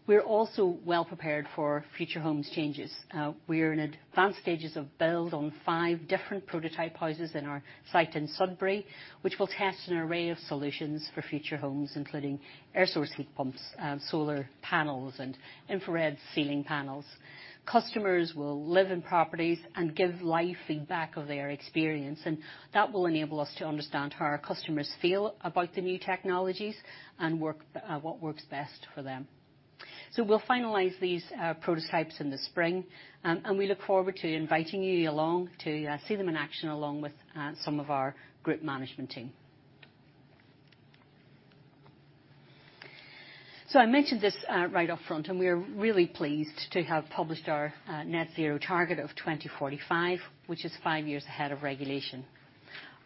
We're also well prepared for Future Homes changes. We are in advanced stages of build on five different prototype houses in our site in Sudbury, which will test an array of solutions for Future Homes, including air source heat pumps, solar panels, and infrared ceiling panels. Customers will live in properties and give live feedback of their experience, and that will enable us to understand how our customers feel about the new technologies and work, what works best for them. We'll finalize these prototypes in the spring, and we look forward to inviting you along to see them in action along with some of our group management team. I mentioned this right up front, and we are really pleased to have published our net zero target of 2045, which is five years ahead of regulation.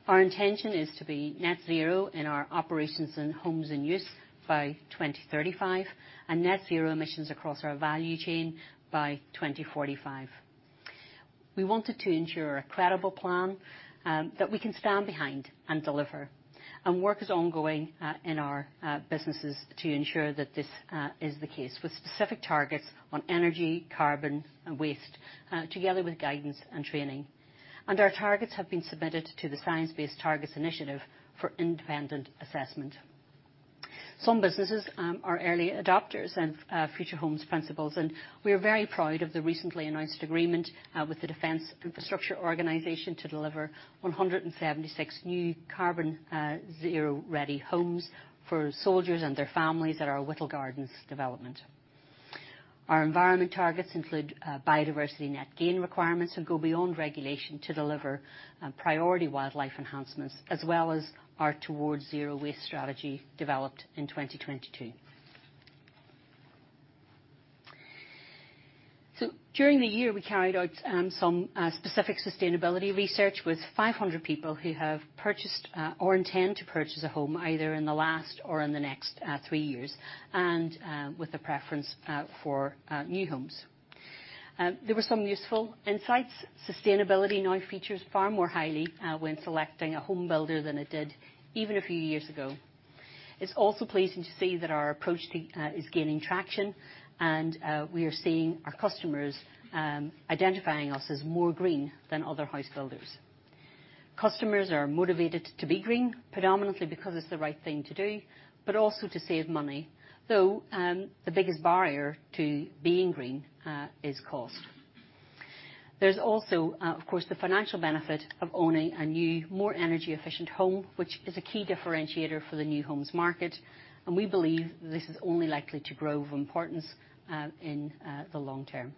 Our intention is to be net zero in our operations in homes in use by 2035 and net zero emissions across our value chain by 2045. We wanted to ensure a credible plan, that we can stand behind and deliver, and work is ongoing in our businesses to ensure that this is the case, with specific targets on energy, carbon and waste, together with guidance and training. Our targets have been submitted to the Science Based Targets initiative for independent assessment. Some businesses are early adopters of Future Homes principles, and we are very proud of the recently announced agreement with the Defence Infrastructure Organisation to deliver 176 new carbon zero-ready homes for soldiers and their families at our Whittle Gardens development. Our environment targets include biodiversity net gain requirements that go beyond regulation to deliver priority wildlife enhancements, as well as our Towards Zero Waste strategy developed in 2022. During the year, we carried out some specific sustainability research with 500 people who have purchased, or intend to purchase a home either in the last or in the next, three years and, with a preference, for new homes. There were some useful insights. Sustainability now features far more highly, when selecting a home builder than it did even a few years ago. It's also pleasing to see that our approach to, is gaining traction. We are seeing our customers identifying us as more green than other house builders. Customers are motivated to be green, predominantly because it's the right thing to do, but also to save money, though, the biggest barrier to being green, is cost. There's also, of course, the financial benefit of owning a new, more energy-efficient home, which is a key differentiator for the new homes market, and we believe this is only likely to grow of importance in the long term.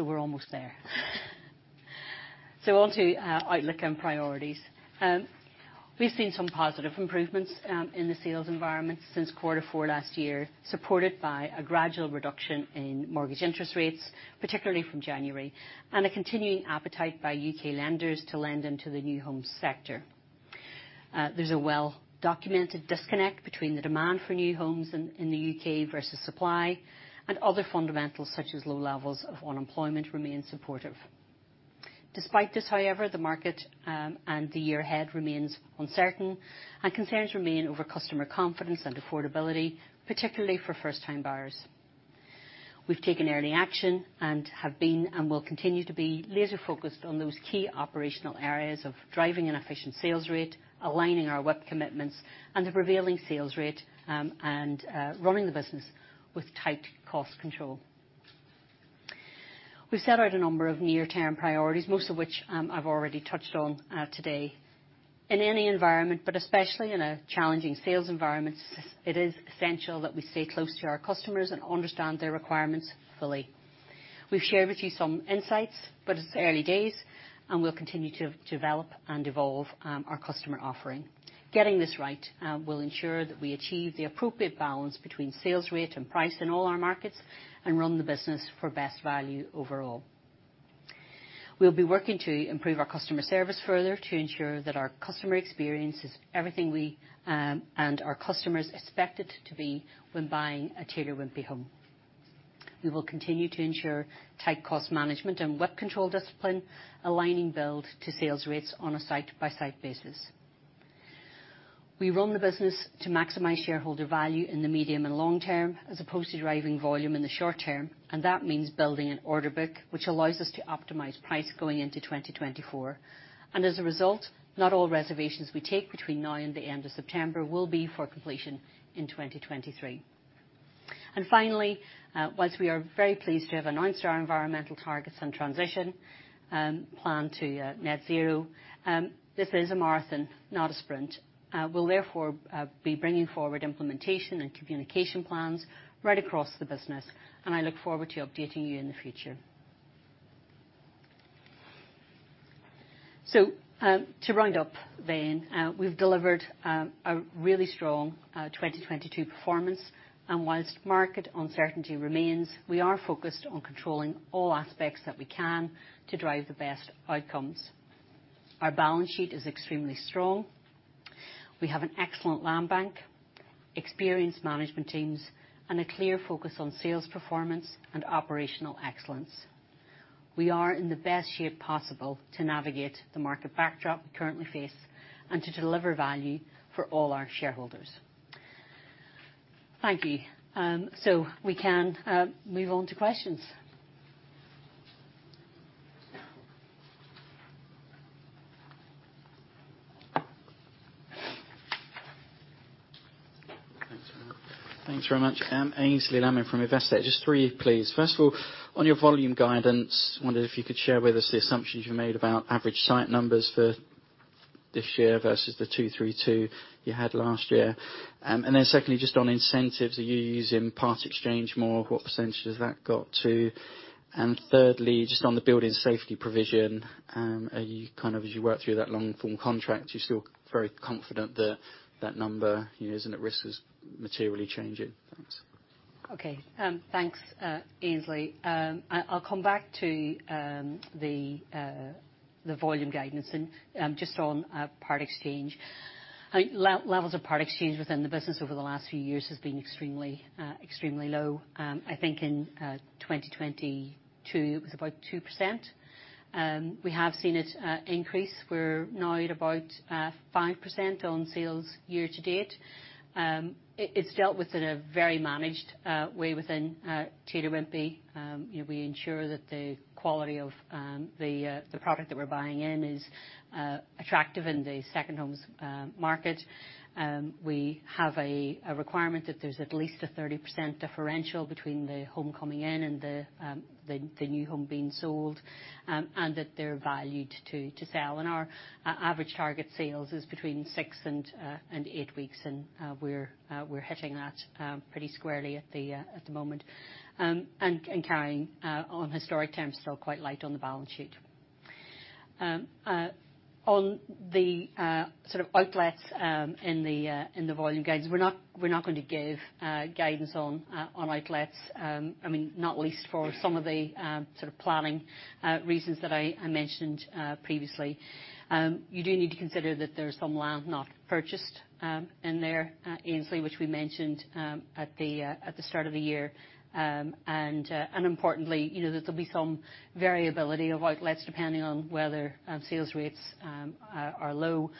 We're almost there. Onto outlook and priorities. We've seen some positive improvements in the sales environment since quarter four last year, supported by a gradual reduction in mortgage interest rates, particularly from January, and a continuing appetite by U.K. lenders to lend into the new homes sector. There's a well-documented disconnect between the demand for new homes in the U.K. versus supply and other fundamentals, such as low levels of unemployment remain supportive. Despite this, however, the market and the year ahead remains uncertain, and concerns remain over customer confidence and affordability, particularly for first-time buyers. We've taken early action and have been, and will continue to be laser-focused on those key operational areas of driving an efficient sales rate, aligning our WIP commitments, and the prevailing sales rate, and running the business with tight cost control. We set out a number of near-term priorities, most of which I've already touched on today. In any environment, but especially in a challenging sales environment, it is essential that we stay close to our customers and understand their requirements fully. We've shared with you some insights, but it's early days, and we'll continue to develop and evolve our customer offering. Getting this right will ensure that we achieve the appropriate balance between sales rate and price in all our markets and run the business for best value overall. We'll be working to improve our customer service further to ensure that our customer experience is everything we and our customers expect it to be when buying a Taylor Wimpey home. We will continue to ensure tight cost management and WUP control discipline, aligning build to sales rates on a site-by-site basis. We run the business to maximize shareholder value in the medium and long term, as opposed to driving volume in the short term, and that means building an order book, which allows us to optimize price going into 2024. As a result, not all reservations we take between now and the end of September will be for completion in 2023. Finally, whilst we are very pleased to have announced our environmental targets and transition plan to net zero, this is a marathon, not a sprint. We'll therefore be bringing forward implementation and communication plans right across the business, and I look forward to updating you in the future. To round up then, we've delivered a really strong 2022 performance. Whilst market uncertainty remains, we are focused on controlling all aspects that we can to drive the best outcomes. Our balance sheet is extremely strong. We have an excellent land bank, experienced management teams, and a clear focus on sales performance and operational excellence. We are in the best shape possible to navigate the market backdrop we currently face and to deliver value for all our shareholders. Thank you. We can move on to questions. Thanks very much. Aynsley Lammin from Investec. Just three, please. First of all, on your volume guidance, wondered if you could share with us the assumptions you made about average site numbers for this year versus the 232 you had last year. Secondly, just on incentives, are you using part exchange more? What % has that got to? Thirdly, just on the building safety provision, are you as you work through that long-form contract, are you still very confident that that number, you know, isn't at risk of materially changing? Thanks. Thanks, Aynsley. I'll come back to the volume guidance in just on part exchange. I think levels of part exchange within the business over the last few years has been extremely low. I think in 2022, it was about 2%. We have seen it increase. We're now at about 5% on sales year to date. It's dealt with in a very managed way within Taylor Wimpey. You know, we ensure that the quality of the product that we're buying in is attractive in the second homes market. We have a requirement that there's at least a 30% differential between the home coming in and the new home being sold, and that they're valued to sell. Our average target sales is between six and eight weeks, and we're hitting that pretty squarely at the moment. Carrying on historic terms, still quite light on the balance sheet. On the sort of outlets, in the volume guidance, we're not going to give guidance on outlets. I mean, not least for some of the sort of planning reasons that I mentioned previously. You do need to consider that there's some land not purchased in there at Aynsley, which we mentioned at the start of the year. Importantly, you know, there'll be some variability of outlets depending on whether sales rates are low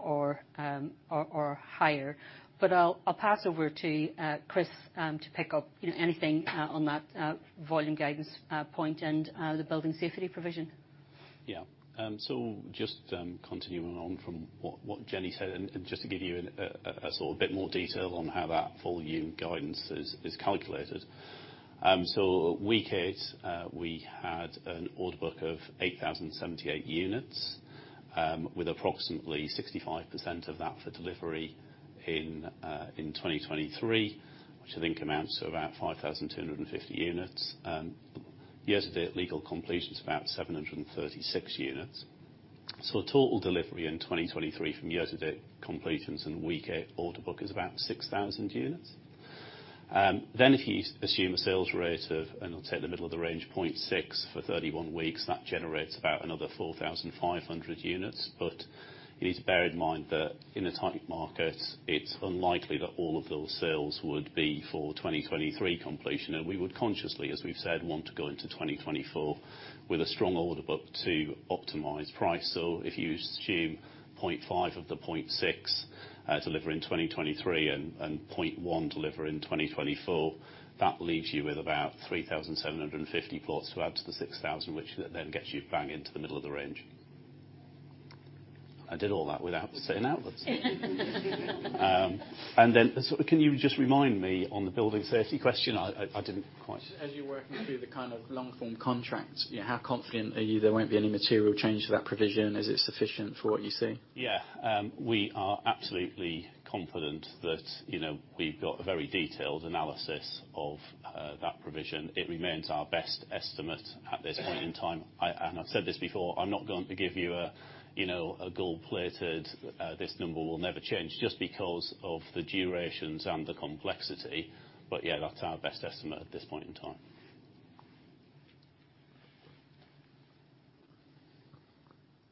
or higher. I'll pass over to Chris to pick up, you know, anything on that volume guidance point and the building safety provision. Yeah. Just continuing on from what Jennie said, and just to give you a sort of bit more detail on how that full year guidance is calculated. At week eight, we had an order book of 8,078 units, with approximately 65% of that for delivery in 2023, which I think amounts to about 5,250 units. Year-to-date legal completions, about 736 units. Total delivery in 2023 from year-to-date completions and week eight order book is about 6,000 units. If you assume a sales rate of, and I'll take the middle of the range, 0.6 for 31 weeks, that generates about another 4,500 units. You need to bear in mind that in a tight market it's unlikely that all of those sales would be for 2023 completion. We would consciously, as we've said, want to go into 2024 with a strong order book to optimize price. If you assume 0.5 of the 0.6 deliver in 2023 and 0.1 deliver in 2024, that leaves you with about 3,750 plots to add to the 6,000, which then gets you bang into the middle of the range. I did all that without saying outwards. Sort of can you just remind me on the building safety question? I didn't quite... As you're working through the kind of long form contracts, you know, how confident are you there won't be any material change to that provision? Is it sufficient for what you see? Yeah. We are absolutely confident that, you know, we've got a very detailed analysis of that provision. It remains our best estimate at this point in time. I've said this before, I'm not going to give you a, you know, a gold-plated, this number will never change just because of the durations and the complexity. Yeah, that's our best estimate at this point in time.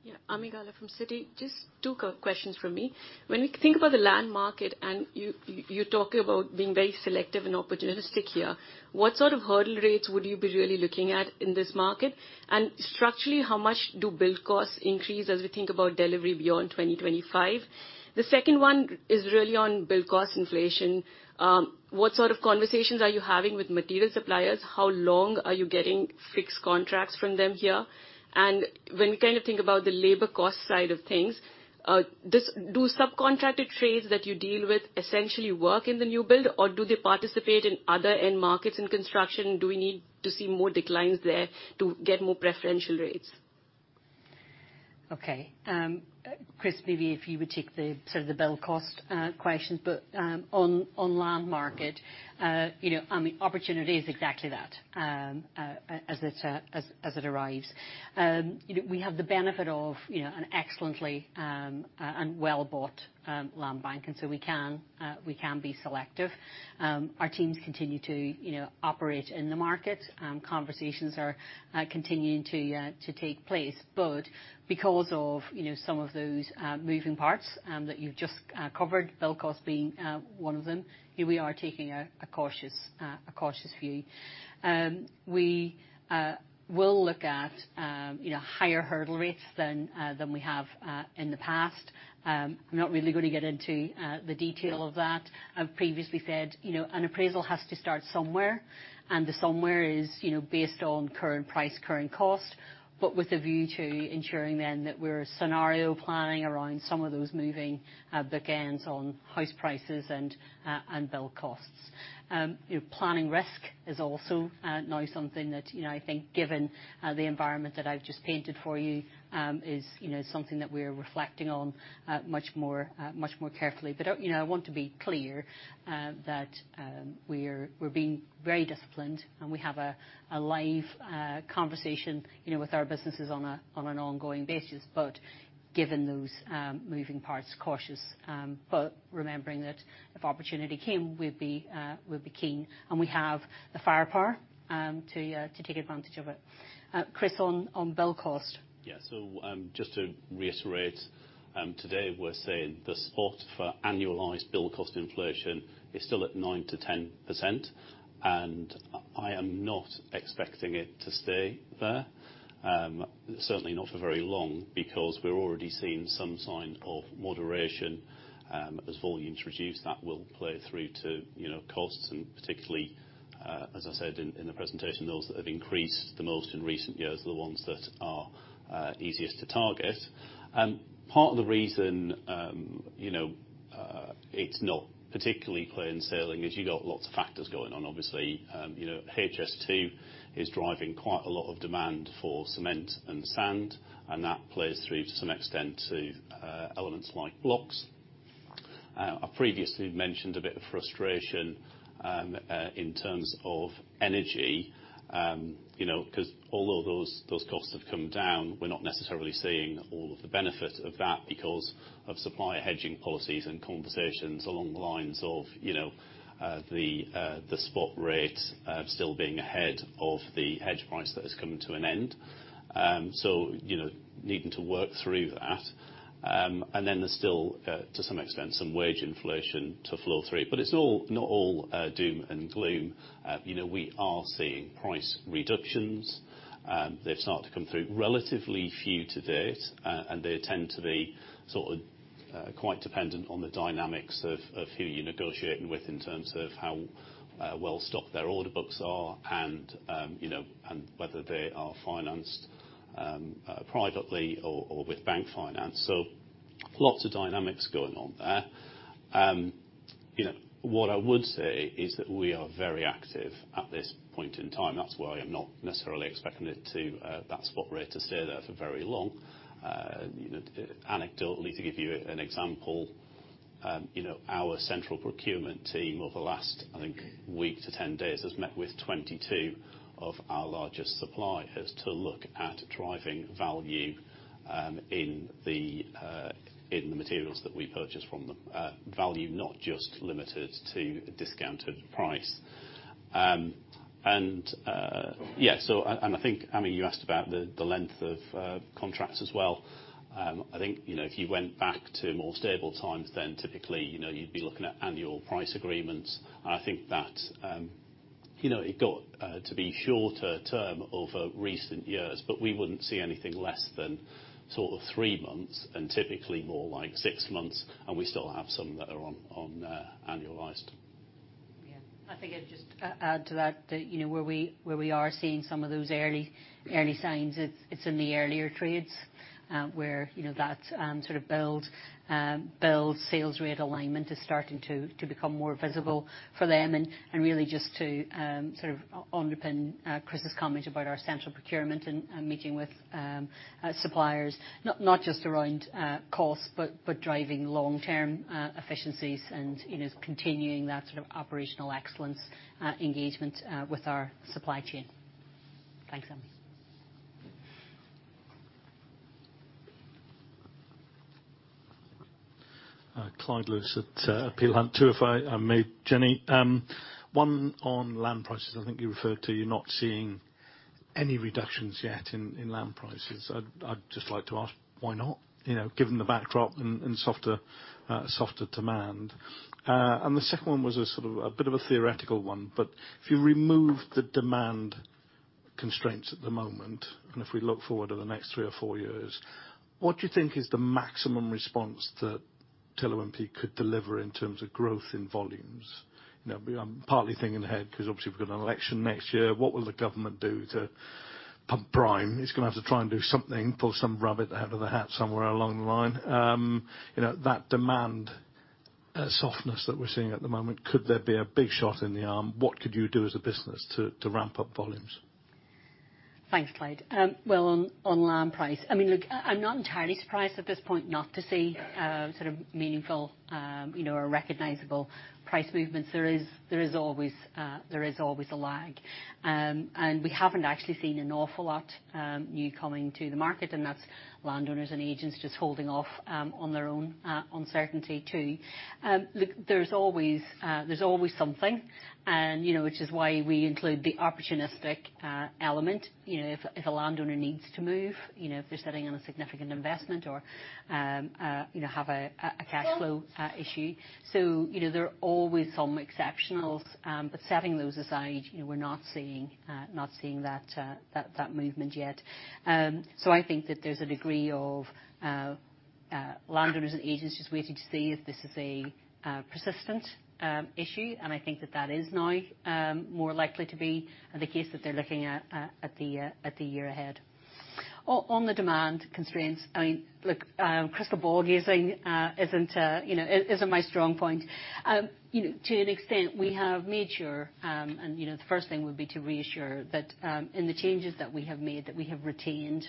Yeah. Ami Galla from Citi. Just two questions from me. When we think about the land market, and you talk about being very selective and opportunistic here, what sort of hurdle rates would you be really looking at in this market? Structurally, how much do build costs increase as we think about delivery beyond 2025? The second one is really on build cost inflation. What sort of conversations are you having with material suppliers? How long are you getting fixed contracts from them here? When we kind of think about the labor cost side of things, do subcontracted trades that you deal with essentially work in the new build, or do they participate in other end markets in construction? Do we need to see more declines there to get more preferential rates? Okay. Chris, maybe if you would take the sort of the build cost questions. On, on land market, you know, I mean, opportunity is exactly that, as it, as it arrives. You know, we have the benefit of, you know, an excellently and well bought land bank, and so we can, we can be selective. Our teams continue to, you know, operate in the market, conversations are continuing to take place. Because of, you know, some of those moving parts that you've just covered, build cost being one of them, we are taking a cautious, a cautious view. We will look at, you know, higher hurdle rates than we have in the past. I'm not really going to get into the detail of that. I've previously said, you know, an appraisal has to start somewhere, and the somewhere is, you know, based on current price, current cost, but with a view to ensuring then that we're scenario planning around some of those moving bookends on house prices and and build costs. You know, planning risk is also now something that, you know, I think given the environment that I've just painted for you, is, you know, something that we're reflecting on much more much more carefully. You know, I want to be clear that we're being very disciplined and we have a live conversation, you know, with our businesses on an ongoing basis. Given those moving parts, cautious, but remembering that if opportunity came, we'd be keen and we have the firepower to take advantage of it. Chris, on build cost. Yeah. Just to reiterate, today, we're saying the spot for annualized build cost inflation is still at 9%-10%, and I am not expecting it to stay there. Certainly not for very long because we're already seeing some signs of moderation. As volumes reduce, that will play through to, you know, costs and particularly, as I said in the presentation, those that have increased the most in recent years are the ones that are easiest to target. Part of the reason, you know, it's not particularly plain sailing is you've got lots of factors going on. Obviously, you know, HS2 is driving quite a lot of demand for cement and sand, and that plays through to some extent to elements like blocks. I previously mentioned a bit of frustration in terms of energy. You know, 'cause although those costs have come down, we're not necessarily seeing all of the benefit of that because of supplier hedging policies and conversations along the lines of, you know, the spot rate still being ahead of the hedge price that has come to an end. You know, needing to work through that. Then there's still, to some extent, some wage inflation to flow through. It's not all doom and gloom. You know, we are seeing price reductions. They've started to come through relatively few to date. They tend to be sort of, quite dependent on the dynamics of who you're negotiating with in terms of how, well-stocked their order books are and, you know, and whether they are financed, privately or with bank finance. Lots of dynamics going on there. You know, what I would say is that we are very active at this point in time. That's why I'm not necessarily expecting it to, that spot rate to stay there for very long. Anecdotally, to give you an example, you know, our central procurement team over the last, I think, week to 10 days, has met with 22 of our largest suppliers to look at driving value, in the materials that we purchase from them. Value not just limited to a discounted price. Yeah, so I think, I mean, you asked about the length of, contracts as well. I think, you know, if you went back to more stable times, then typically, you know, you'd be looking at annual price agreements. I think that, you know, it got to be shorter term over recent years, but we wouldn't see anything less than sort of three months, and typically more like six months, and we still have some that are on annualized. Yeah. I think I'd just add to that, you know, where we are seeing some of those early signs, it's in the earlier trades, where, you know, that sort of build sales rate alignment is starting to become more visible for them. Really just to underpin Chris' comment about our central procurement and meeting with suppliers, not just around cost, but driving long-term efficiencies and, you know, continuing that sort of operational excellence, engagement with our supply chain. Thanks, Ami. Clyde Lewis at Peel Hunt. Two if I may, Jennie. One on land prices. I think you referred to you're not seeing any reductions yet in land prices. I'd just like to ask why not? You know, given the backdrop and softer demand. The second one was a sort of a bit of a theoretical one, but if you remove the demand constraints at the moment, and if we look forward to the next three or four years, what do you think is the maximum response that Taylor Wimpey could deliver in terms of growth in volumes? You know, partly thinking ahead 'cause obviously we've got an election next year. What will the government do to pump prime? It's gonna have to try and do something, pull some rabbit out of the hat somewhere along the line. You know, that demand softness that we're seeing at the moment, could there be a big shot in the arm? What could you do as a business to ramp up volumes? Thanks, Clyde. Well, on land price, I mean, look, I'm not entirely surprised at this point not to see- Yeah sort of meaningful, you know, or recognizable price movements. There is, there is always a lag. And we haven't actually seen an awful lot new coming to the market, and that's landowners and agents just holding off on their own uncertainty too. Look, there's always, there's always something and, you know, which is why we include the opportunistic element. You know, if a landowner needs to move, you know, if they're sitting on a significant investment or, you know, have a cash flow issue. So, you know, there are always some exceptionals. But setting those aside, you know, we're not seeing, not seeing that movement yet. I think that there's a degree of landowners and agents just waiting to see if this is a persistent issue. I think that that is now more likely to be the case that they're looking at the year ahead. On the demand constraints, I mean, look, crystal ball gazing, you know, isn't my strong point. You know, to an extent, we have made sure, and, you know, the first thing would be to reassure that, in the changes that we have made, that we have retained,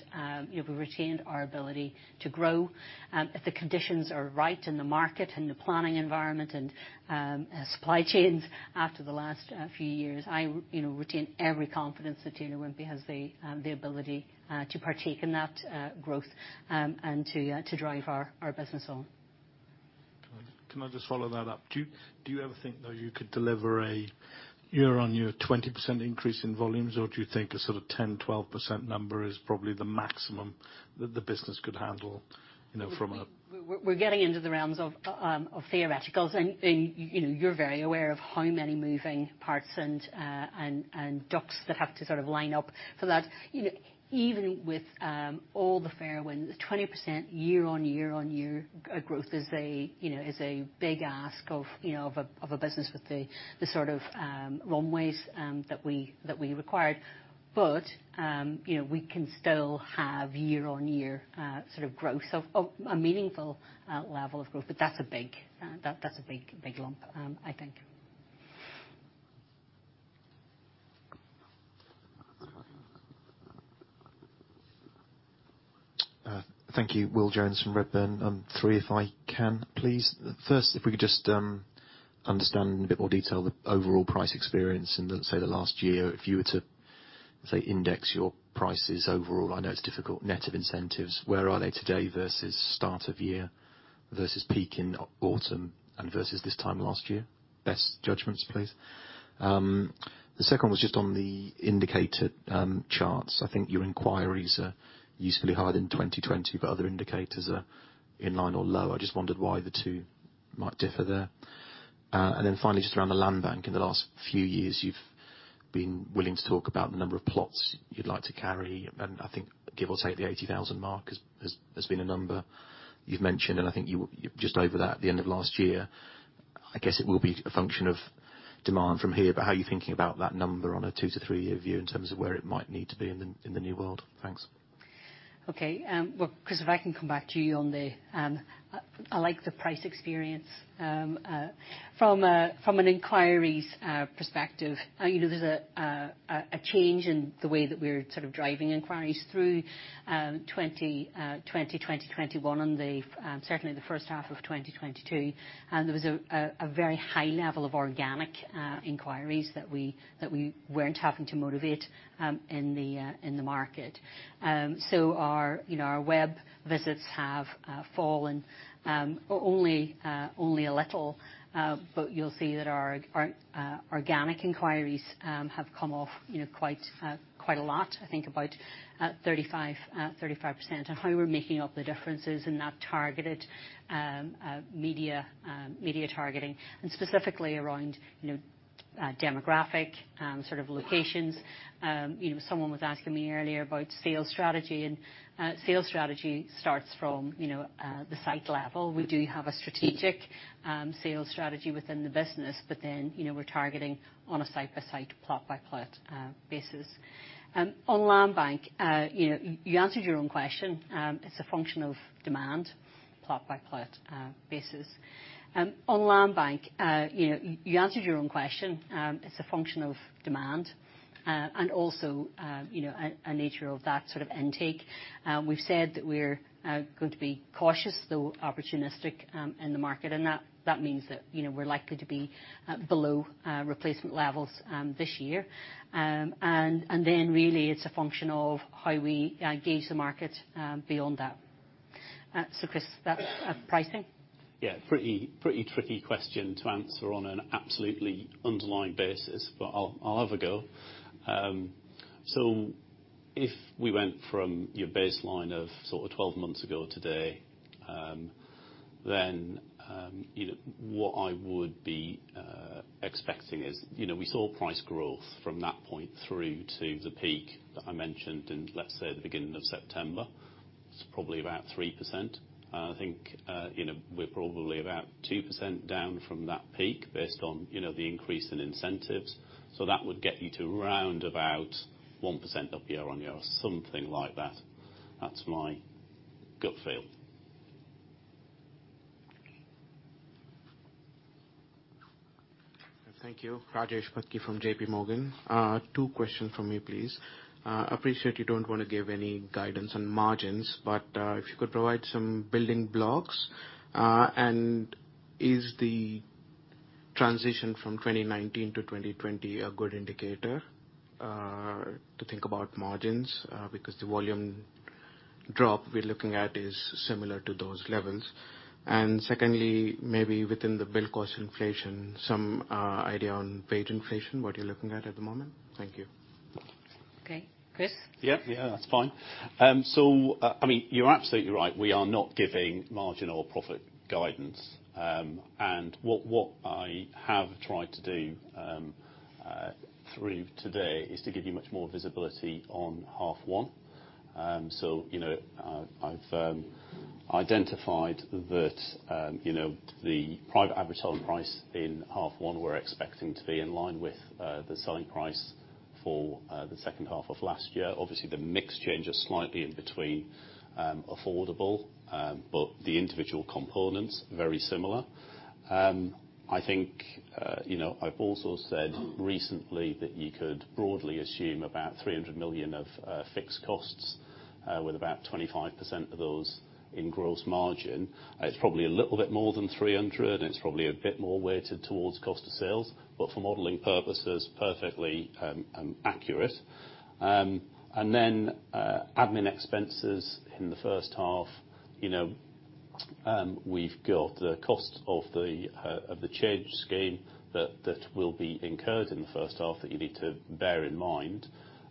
we've retained our ability to grow. If the conditions are right in the market and the planning environment and supply chains after the last few years, I, you know, retain every confidence that Taylor Wimpey has the ability to partake in that growth and to drive our business on. Can I just follow that up? Do you ever think, though, you could deliver a year-over-year 20% increase in volumes, or do you think a sort of 10%, 12% number is probably the maximum that the business could handle, you know? We're getting into the realms of theoreticals and, you know, you're very aware of how many moving parts and ducks that have to sort of line up for that. You know, even with all the fair winds, 20% year on year on year growth is a, you know, is a big ask of, you know, of a business with the sort of runways that we require. You know, we can still have year on year sort of growth, of a meaningful level of growth, but that's a big, that's a big, big lump, I think. Thank you. Will Jones from Redburn. Three if I can, please. First, if we could just understand in a bit more detail the overall price experience in the, say, the last year. If you were to, say, index your prices overall, I know it's difficult, net of incentives, where are they today versus start of year versus peak in autumn and versus this time last year? Best judgments, please. The second was just on the indicated charts. I think your inquiries are usefully higher than 2020, but other indicators are in line or lower. I just wondered why the two might differ there. Finally, just around the land bank. In the last few years, you've been willing to talk about the number of plots you'd like to carry, and I think give or take the 80,000 mark has been a number you've mentioned, and I think you're just over that at the end of last year. I guess it will be a function of demand from here, but how are you thinking about that number on a two to three-year view in terms of where it might need to be in the, in the new world? Thanks. Okay. Well, Chris, if I can come back to you on the, I like the price experience. From an inquiries perspective, you know, there's a change in the way that we're sort of driving inquiries through 2021 and certainly the first half of 2022. There was a very high level of organic inquiries that we weren't having to motivate in the market. Our, you know, our web visits have fallen only a little, but you'll see that our organic inquiries have come off, you know, quite a lot, I think about 35%. How we're making up the difference is in that targeted, media targeting and specifically around, you know, demographic, sort of locations. You know, someone was asking me earlier about sales strategy. Sales strategy starts from, you know, the site level. We do have a strategic, sales strategy within the business, but then, you know, we're targeting on a site-by-site, plot-by-plot, basis. On land bank, you know, you answered your own question. It's a function of demand, and also, you know, a nature of that sort of intake. We've said that we're going to be cautious, though opportunistic, in the market, that means that, you know, we're likely to be below replacement levels this year. Then really it's a function of how we gauge the market beyond that. Chris, that's pricing. Yeah, pretty tricky question to answer on an absolutely underlying basis, but I'll have a go. If we went from your baseline of sort of 12 months ago today, then, you know, what I would be expecting is, you know, we saw price growth from that point through to the peak that I mentioned in, let's say, the beginning of September. It's probably about 3%. And I think, you know, we're probably about 2% down from that peak based on, you know, the increase in incentives. That would get you to around about 1% year on year or something like that. That's my gut feel. Okay. Thank you. Ragesh Patki from JPMorgan. two questions from me, please. Appreciate you don't wanna give any guidance on margins, but, if you could provide some building blocks. Is the transition from 2019 to 2020 a good indicator, to think about margins? Because the volume drop we're looking at is similar to those levels. Secondly, maybe within the build cost inflation, some idea on wage inflation, what you're looking at at the moment. Thank you. Okay. Chris? Yeah. Yeah, that's fine. I mean, you're absolutely right. We are not giving margin or profit guidance. What I have tried to do through today is to give you much more visibility on H1. You know, I've identified that, you know, the private average selling price in H1, we're expecting to be in line with the selling price for the second half of last year. Obviously, the mix changes slightly in between affordable, the individual components, very similar. I think, you know, I've also said recently that you could broadly assume about 300 million of fixed costs with about 25% of those in gross margin. It's probably a little bit more than 300, and it's probably a bit more weighted towards cost of sales, but for modeling purposes, perfectly accurate. Admin expenses in the first half. You know, we've got the cost of the change scheme that will be incurred in the first half that you need to bear in mind.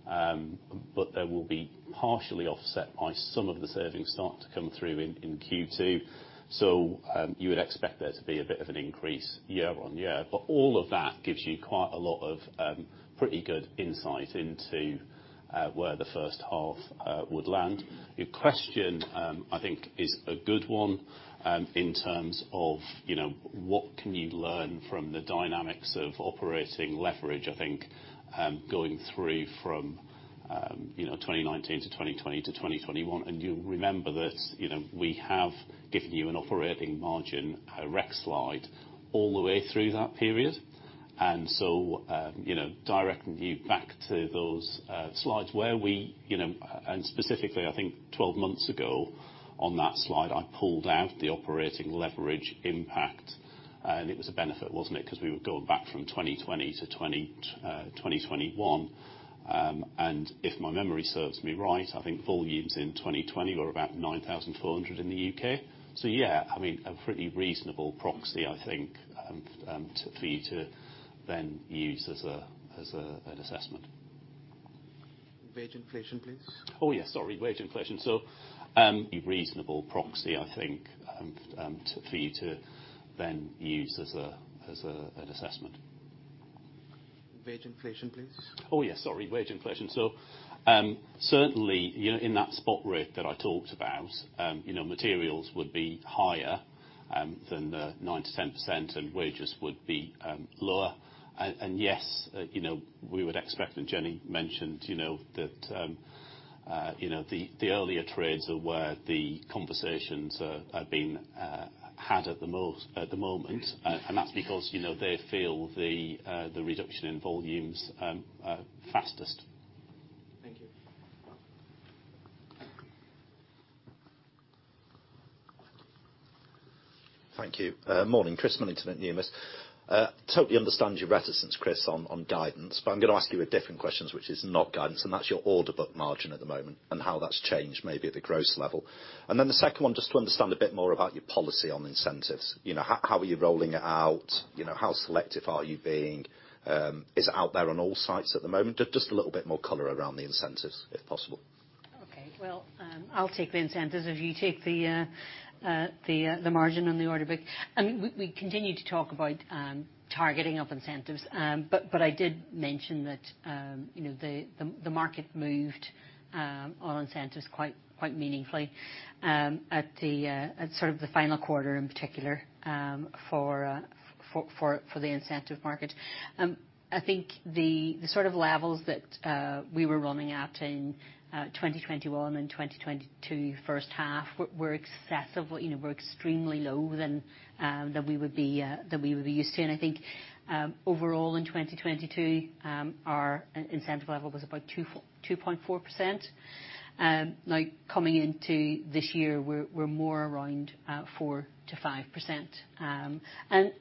They will be partially offset by some of the savings start to come through in Q2. You would expect there to be a bit of an increase year-on-year. All of that gives you quite a lot of pretty good insight into where the first half would land. Your question, I think is a good one, in terms of, you know, what can you learn from the dynamics of operating leverage, I think, going through from, you know, 2019-2020-2021. You'll remember that, you know, we have given you an operating margin rec slide all the way through that period. So, you know, directing you back to those slides where we, you know, and specifically, I think 12 months ago on that slide, I pulled out the operating leverage impact, and it was a benefit, wasn't it? 'Cause we were going back from 2020-2021. If my memory serves me right, I think volumes in 2020 were about 9,400 in the U.K. Yeah, I mean, a pretty reasonable proxy, I think, to, for you to then use as an assessment. Wage inflation, please. Oh, yeah. Sorry, wage inflation. A reasonable proxy, I think, for you to then use an assessment. Wage inflation, please. Oh, yes. Sorry. Wage inflation. Certainly, you know, in that spot rate that I talked about, you know, materials would be higher, than the 9%-10%, and wages would be, lower. Yes, you know, we would expect, and Jennie mentioned, you know, that, you know, the earlier trades are where the conversations are being had at the moment. That's because, you know, they feel the reduction in volumes fastest. Thank you. Thank you. Morning, Chris Millington at Numis. Totally understand your reticence, Chris, on guidance, but I'm gonna ask you a different question, which is not guidance, and that's your order book margin at the moment, and how that's changed, maybe at the gross level. The second one, just to understand a bit more about your policy on incentives. You know, how are you rolling it out? You know, how selective are you being? Is it out there on all sites at the moment? Just a little bit more color around the incentives, if possible. Okay. Well, I'll take the incentives if you take the margin on the order book. I mean, we continue to talk about targeting of incentives. I did mention that, you know, the market moved on incentives quite meaningfully at sort of the final quarter in particular for the incentive market. I think the sort of levels that we were running at in 2021 and 2022 first half were excessively, you know, were extremely low than that we would be used to. I think overall in 2022, our incentive level was about 2.4%. Like, coming into this year, we're more around 4%-5%.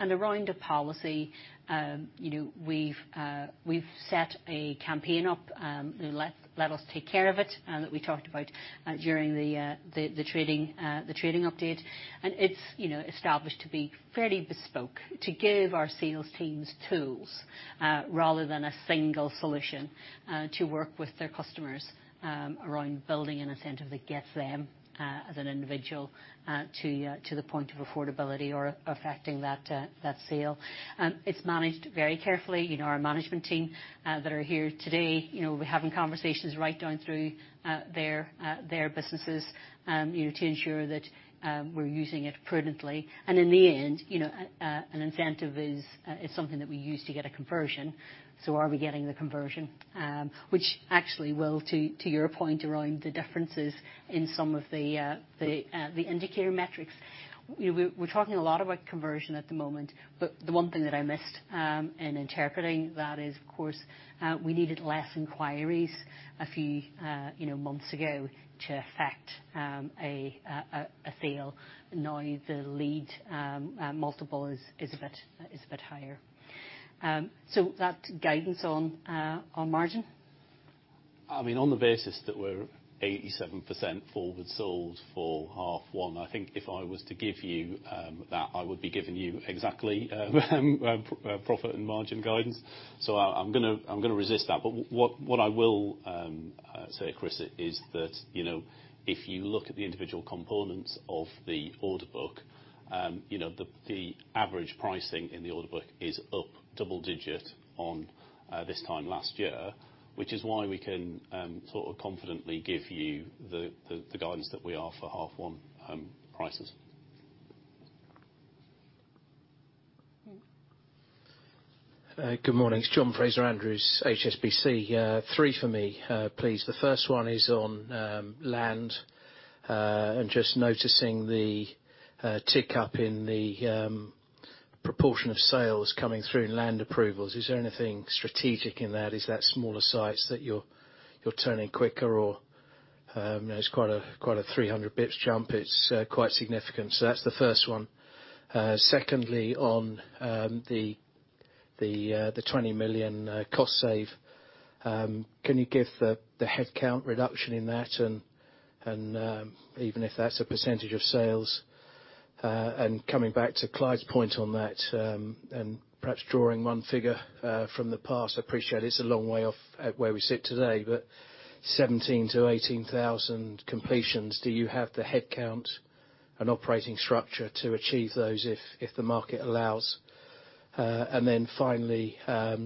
Around a policy, you know, we've set a campaign up, Let us take care of it, that we talked about during the trading update. It's, you know, established to be fairly bespoke, to give our sales teams tools, rather than a single solution, to work with their customers around building an incentive that gets them as an individual to the point of affordability or effecting that sale. It's managed very carefully. You know, our management team that are here today, you know, we're having conversations right down through their businesses, you know, to ensure that we're using it prudently. In the end, you know, an incentive is something that we use to get a conversion. Are we getting the conversion, which actually, Will, to your point around the differences in some of the indicator metrics. We're talking a lot about conversion at the moment, but the one thing that I missed in interpreting that is, of course, we needed less inquiries a few months ago to effect a sale. The lead multiple is a bit higher. That guidance on margin. I mean, on the basis that we're 87% forward sold for H1, I think if I was to give you that, I would be giving you exactly profit and margin guidance. I'm gonna resist that. What I will say, Chris, is that, you know, if you look at the individual components of the order book, you know, the average pricing in the order book is up double digit on this time last year, which is why we can sort of confidently give you the guidance that we offer H1 prices. Mm-hmm. Good morning. It's John Fraser-Andrews, HSBC. Three for me, please. The first one is on land. Just noticing the tick up in the proportion of sales coming through in land approvals. Is there anything strategic in that? Is that smaller sites that you're turning quicker? Or, you know, it's quite a 300 bips jump. It's quite significant. That's the first one. Secondly, on the 20 million cost save, can you give the headcount reduction in that and even if that's a percentage of sales? Coming back to Clyde's point on that, and perhaps drawing one figure from the past, I appreciate it's a long way off at where we sit today, but 17,000-18,000 completions, do you have the headcount and operating structure to achieve those if the market allows? Then finally,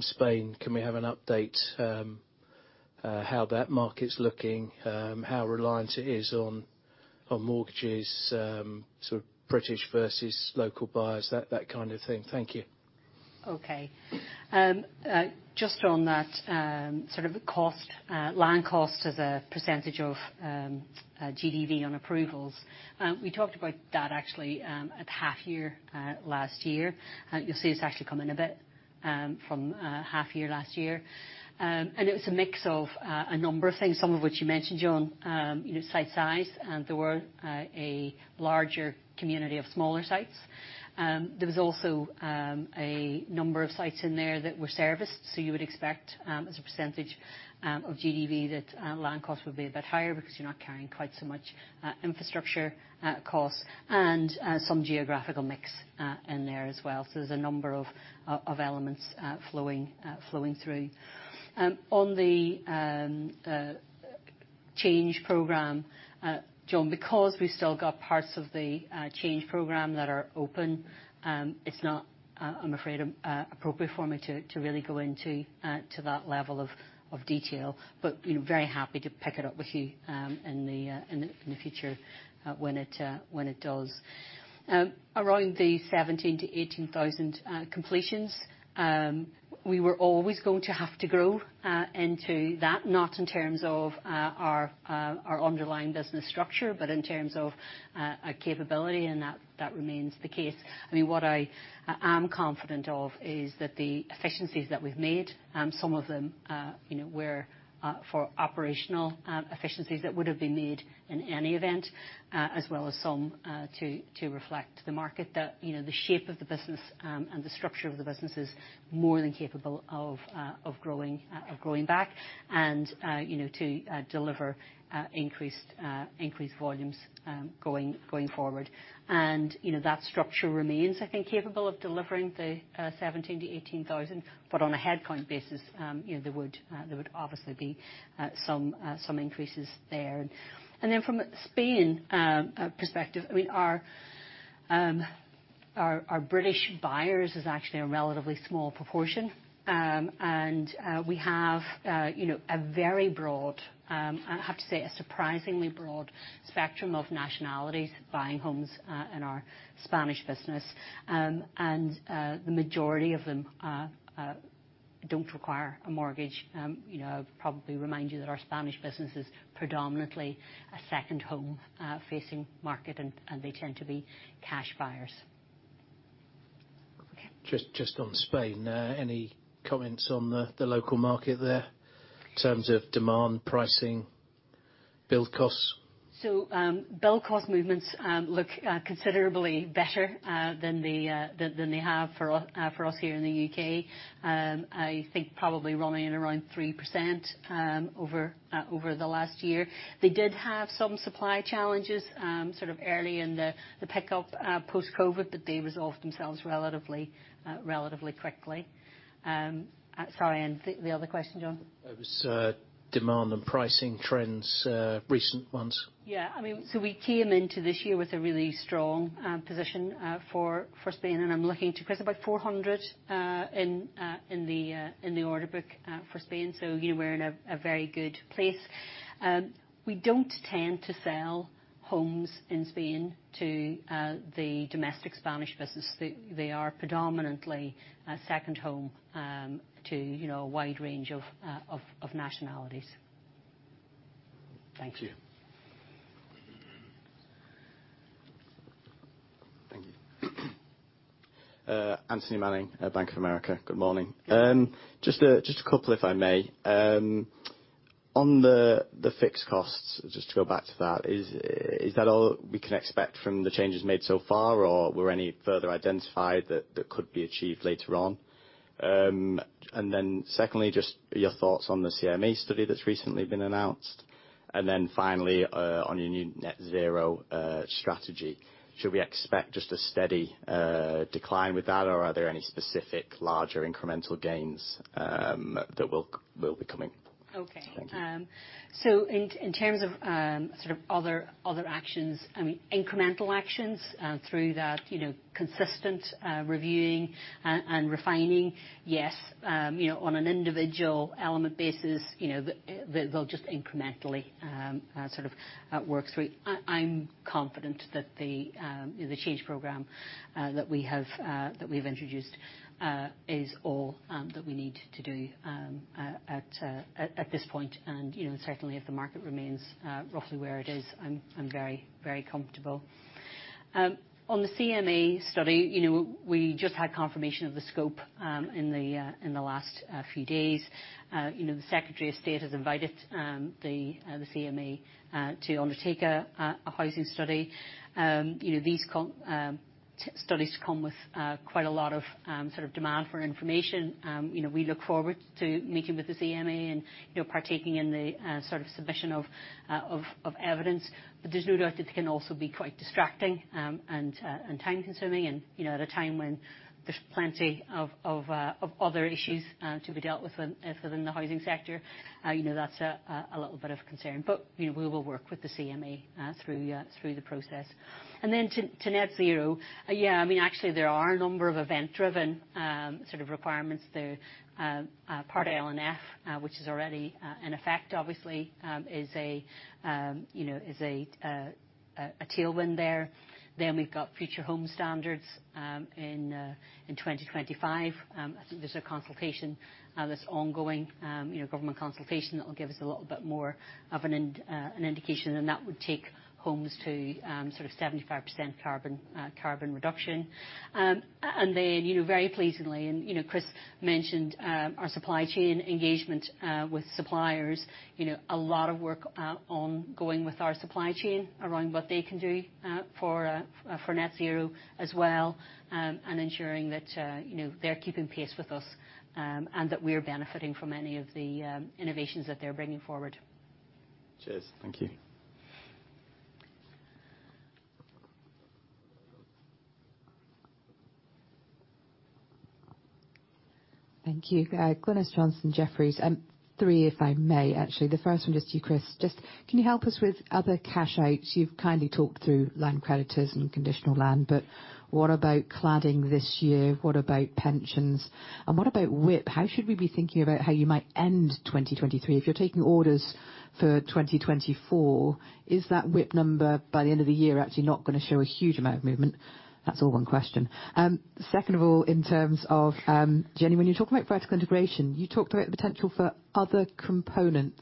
Spain, can we have an update how that market's looking, how reliant it is on mortgages, sort of British versus local buyers, that kind of thing. Thank you. Okay. Just on that, sort of cost, land cost as a % of GDV on approvals, we talked about that actually, at half year last year. You'll see it's actually come in a bit from half year last year. It was a mix of a number of things, some of which you mentioned, John. You know, site size, and there were a larger community of smaller sites. There was also a number of sites in there that were serviced. You would expect as a % of GDV that land costs would be a bit higher because you're not carrying quite so much infrastructure costs, and some geographical mix in there as well. There's a number of elements flowing through. On the Change program. John, because we've still got parts of the change program that are open, it's not, I'm afraid, appropriate for me to really go into that level of detail. You know, very happy to pick it up with you in the future when it does. Around the 17,000-18,000 completions, we were always going to have to grow into that, not in terms of our underlying business structure, but in terms of a capability, and that remains the case. I mean, what I am confident of is that the efficiencies that we've made, some of them, you know, were for operational efficiencies that would have been made in any event, as well as some to reflect the market. That, you know, the shape of the business and the structure of the business is more than capable of growing, of growing back and, you know, to deliver increased volumes going forward. You know, that structure remains, I think, capable of delivering the 17,000-18,000. On a headcount basis, you know, there would obviously be some increases there. Then from a Spain perspective, I mean, our British buyers is actually a relatively small proportion. We have, you know, a very broad, I have to say, a surprisingly broad spectrum of nationalities buying homes in our Spanish business. The majority of them don't require a mortgage. You know, I'd probably remind you that our Spanish business is predominantly a second home facing market, and they tend to be cash buyers. Okay. Just on Spain, any comments on the local market there in terms of demand, pricing, build costs? Build cost movements look considerably better than they have for us here in the U.K. I think probably running at around 3% over the last year. They did have some supply challenges sort of early in the pickup post-COVID, but they resolved themselves relatively quickly. Sorry, the other question, John? It was demand and pricing trends, recent ones. I mean, we came into this year with a really strong position for Spain, and I'm looking to Chris. About 400 in the order book for Spain, you know, we're in a very good place. We don't tend to sell homes in Spain to the domestic Spanish business. They are predominantly a second home to, you know, a wide range of nationalities. Thank you. Thank you. Anthony Manning, Bank of America. Good morning. Just a couple, if I may. On the fixed costs, just to go back to that, is that all we can expect from the changes made so far, or were any further identified that could be achieved later on? Secondly, just your thoughts on the CME study that's recently been announced. Finally, on your new net zero strategy, should we expect just a steady decline with that, or are there any specific larger incremental gains that will be coming? Okay. In, in terms of, sort of other actions, I mean, incremental actions, through that, you know, consistent, reviewing and refining, yes. You know, on an individual element basis, you know, they'll just incrementally, sort of work through. I'm confident that the change program, that we have, that we've introduced, is all that we need to do, at this point. You know, certainly if the market remains, roughly where it is, I'm very, very comfortable. On the CME study, you know, we just had confirmation of the scope, in the last, few days. You know, the Secretary of State has invited, the CME, to undertake a housing study. You know, these studies come with quite a lot of sort of demand for information. You know, we look forward to meeting with the CME and, you know, partaking in the sort of submission of evidence. There's no doubt it can also be quite distracting and time-consuming. You know, at a time when there's plenty of other issues to be dealt with within the housing sector, you know, that's a little bit of a concern. You know, we will work with the CME through the process. To net zero, yeah, I mean, actually there are a number of event-driven sort of requirements. The Part L, which is already in effect, obviously, is a, you know, is a tailwind there. We've got Future Homes Standard, in 2025. I think there's a consultation that's ongoing, you know, government consultation that will give us a little bit more of an indication, and that would take homes to sort of 75% carbon reduction. You know, very pleasingly, and, you know, Chris mentioned our supply chain engagement with suppliers. You know, a lot of work, on going with our supply chain around what they can do, for net zero as well, and ensuring that, you know, they're keeping pace with us, and that we're benefiting from any of the innovations that they're bringing forward. Cheers. Thank you. Thank you. Glynis Johnson, Jefferies. Three if I may. Actually, the first one just to you, Chris, can you help us with other cash outs? You've kindly talked through line creditors and conditional land, but what about cladding this year? What about pensions? What about WIP? How should we be thinking about how you might end 2023? If you're taking orders for 2024, is that WIP number by the end of the year actually not gonna show a huge amount of movement? That's all one question. Second of all, in terms of, Jennie, when you talk about vertical integration, you talked about the potential for other components.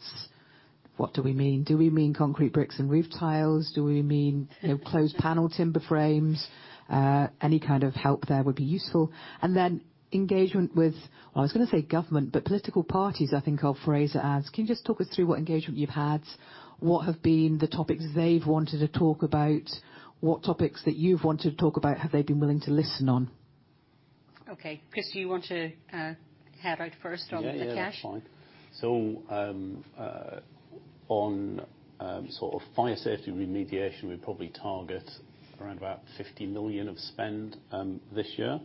What do we mean? Do we mean concrete bricks and roof tiles? Do we mean, you know, closed panel timber frames? Any kind of help there would be useful. Engagement with... Well, I was gonna say government, but political parties, I think I'll phrase it as. Can you just talk us through what engagement you've had? What have been the topics they've wanted to talk about? What topics that you've wanted to talk about have they been willing to listen on? Okay. Chris, do you want to head out first on the cash? Yeah. Fine. On sort of fire safety remediation, we probably target around about 50 million of spend this year.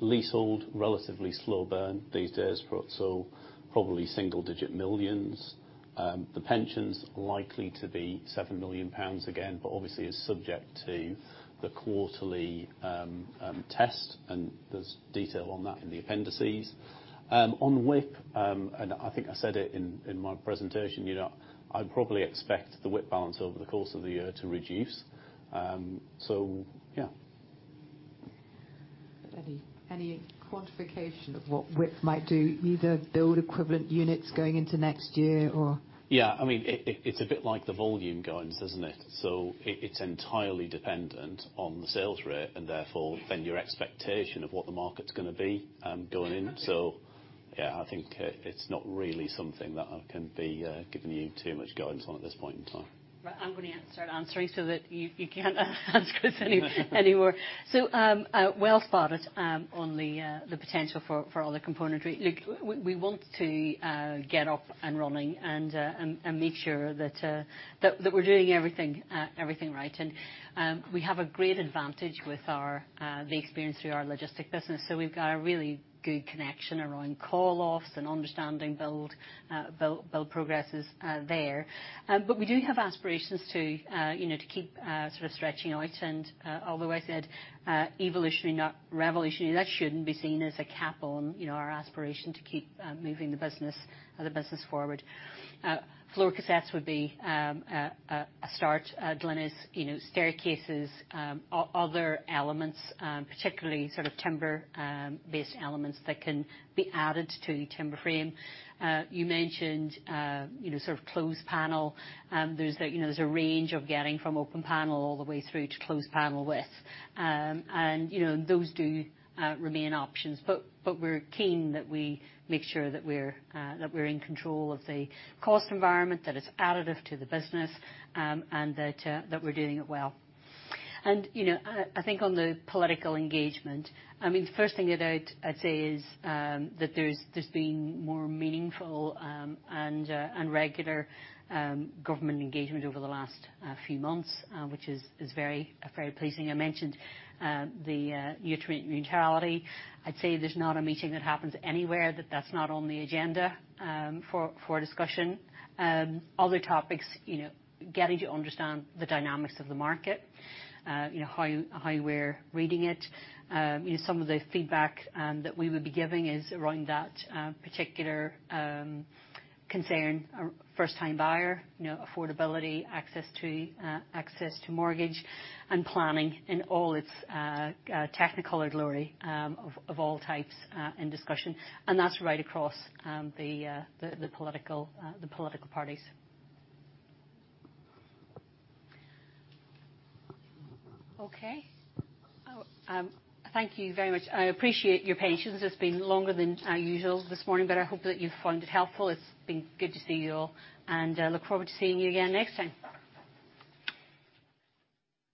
Leasehold, relatively slow burn these days, so probably GBP single digit millions. The pension's likely to be 7 million pounds again, but obviously is subject to the quarterly test, and there's detail on that in the appendices. On WIP, and I think I said it in my presentation, you know, I'd probably expect the WIP balance over the course of the year to reduce. So yeah. Any quantification of what WIP might do, either build equivalent units going into next year or? I mean, it's a bit like the volume guidance, isn't it? It's entirely dependent on the sales rate and therefore then your expectation of what the market's gonna be, going in. I think, it's not really something that I can be, giving you too much guidance on at this point in time. Right. I'm gonna answer on three so that you can't ask Chris anymore. Well spotted on the potential for other componentry. Look, we want to get up and running and make sure that we're doing everything right. We have a great advantage with our the experience through our logistic business. We've got a really good connection around call-offs and understanding build progresses there. We do have aspirations to, you know, to keep sort of stretching out. Although I said evolutionary not revolutionary, that shouldn't be seen as a cap on, you know, our aspiration to keep moving the business forward. Floor cassettes would be a start. Glynis, you know, staircases, other elements, particularly sort of timber based elements that can be added to timber frame. You mentioned, you know, sort of closed panel. There's a, you know, there's a range of getting from open panel all the way through to closed panel width. You know, those do remain options. We're keen that we make sure that we're in control of the cost environment, that it's additive to the business, and that we're doing it well. You know, I think on the political engagement, I mean, the first thing that I'd say is that there's been more meaningful and regular government engagement over the last few months, which is very pleasing. I mentioned the neutrality. I'd say there's not a meeting that happens anywhere that that's not on the agenda for discussion. Other topics, you know, getting to understand the dynamics of the market, you know, how we're reading it. You know, some of the feedback that we would be giving is around that particular concern. First-time buyer, you know, affordability, access to mortgage and planning in all its technicolored glory of all types and discussion, and that's right across the political parties. Okay. Thank you very much. I appreciate your patience. It's been longer than usual this morning. I hope that you found it helpful. It's been good to see you all, and look forward to seeing you again next time.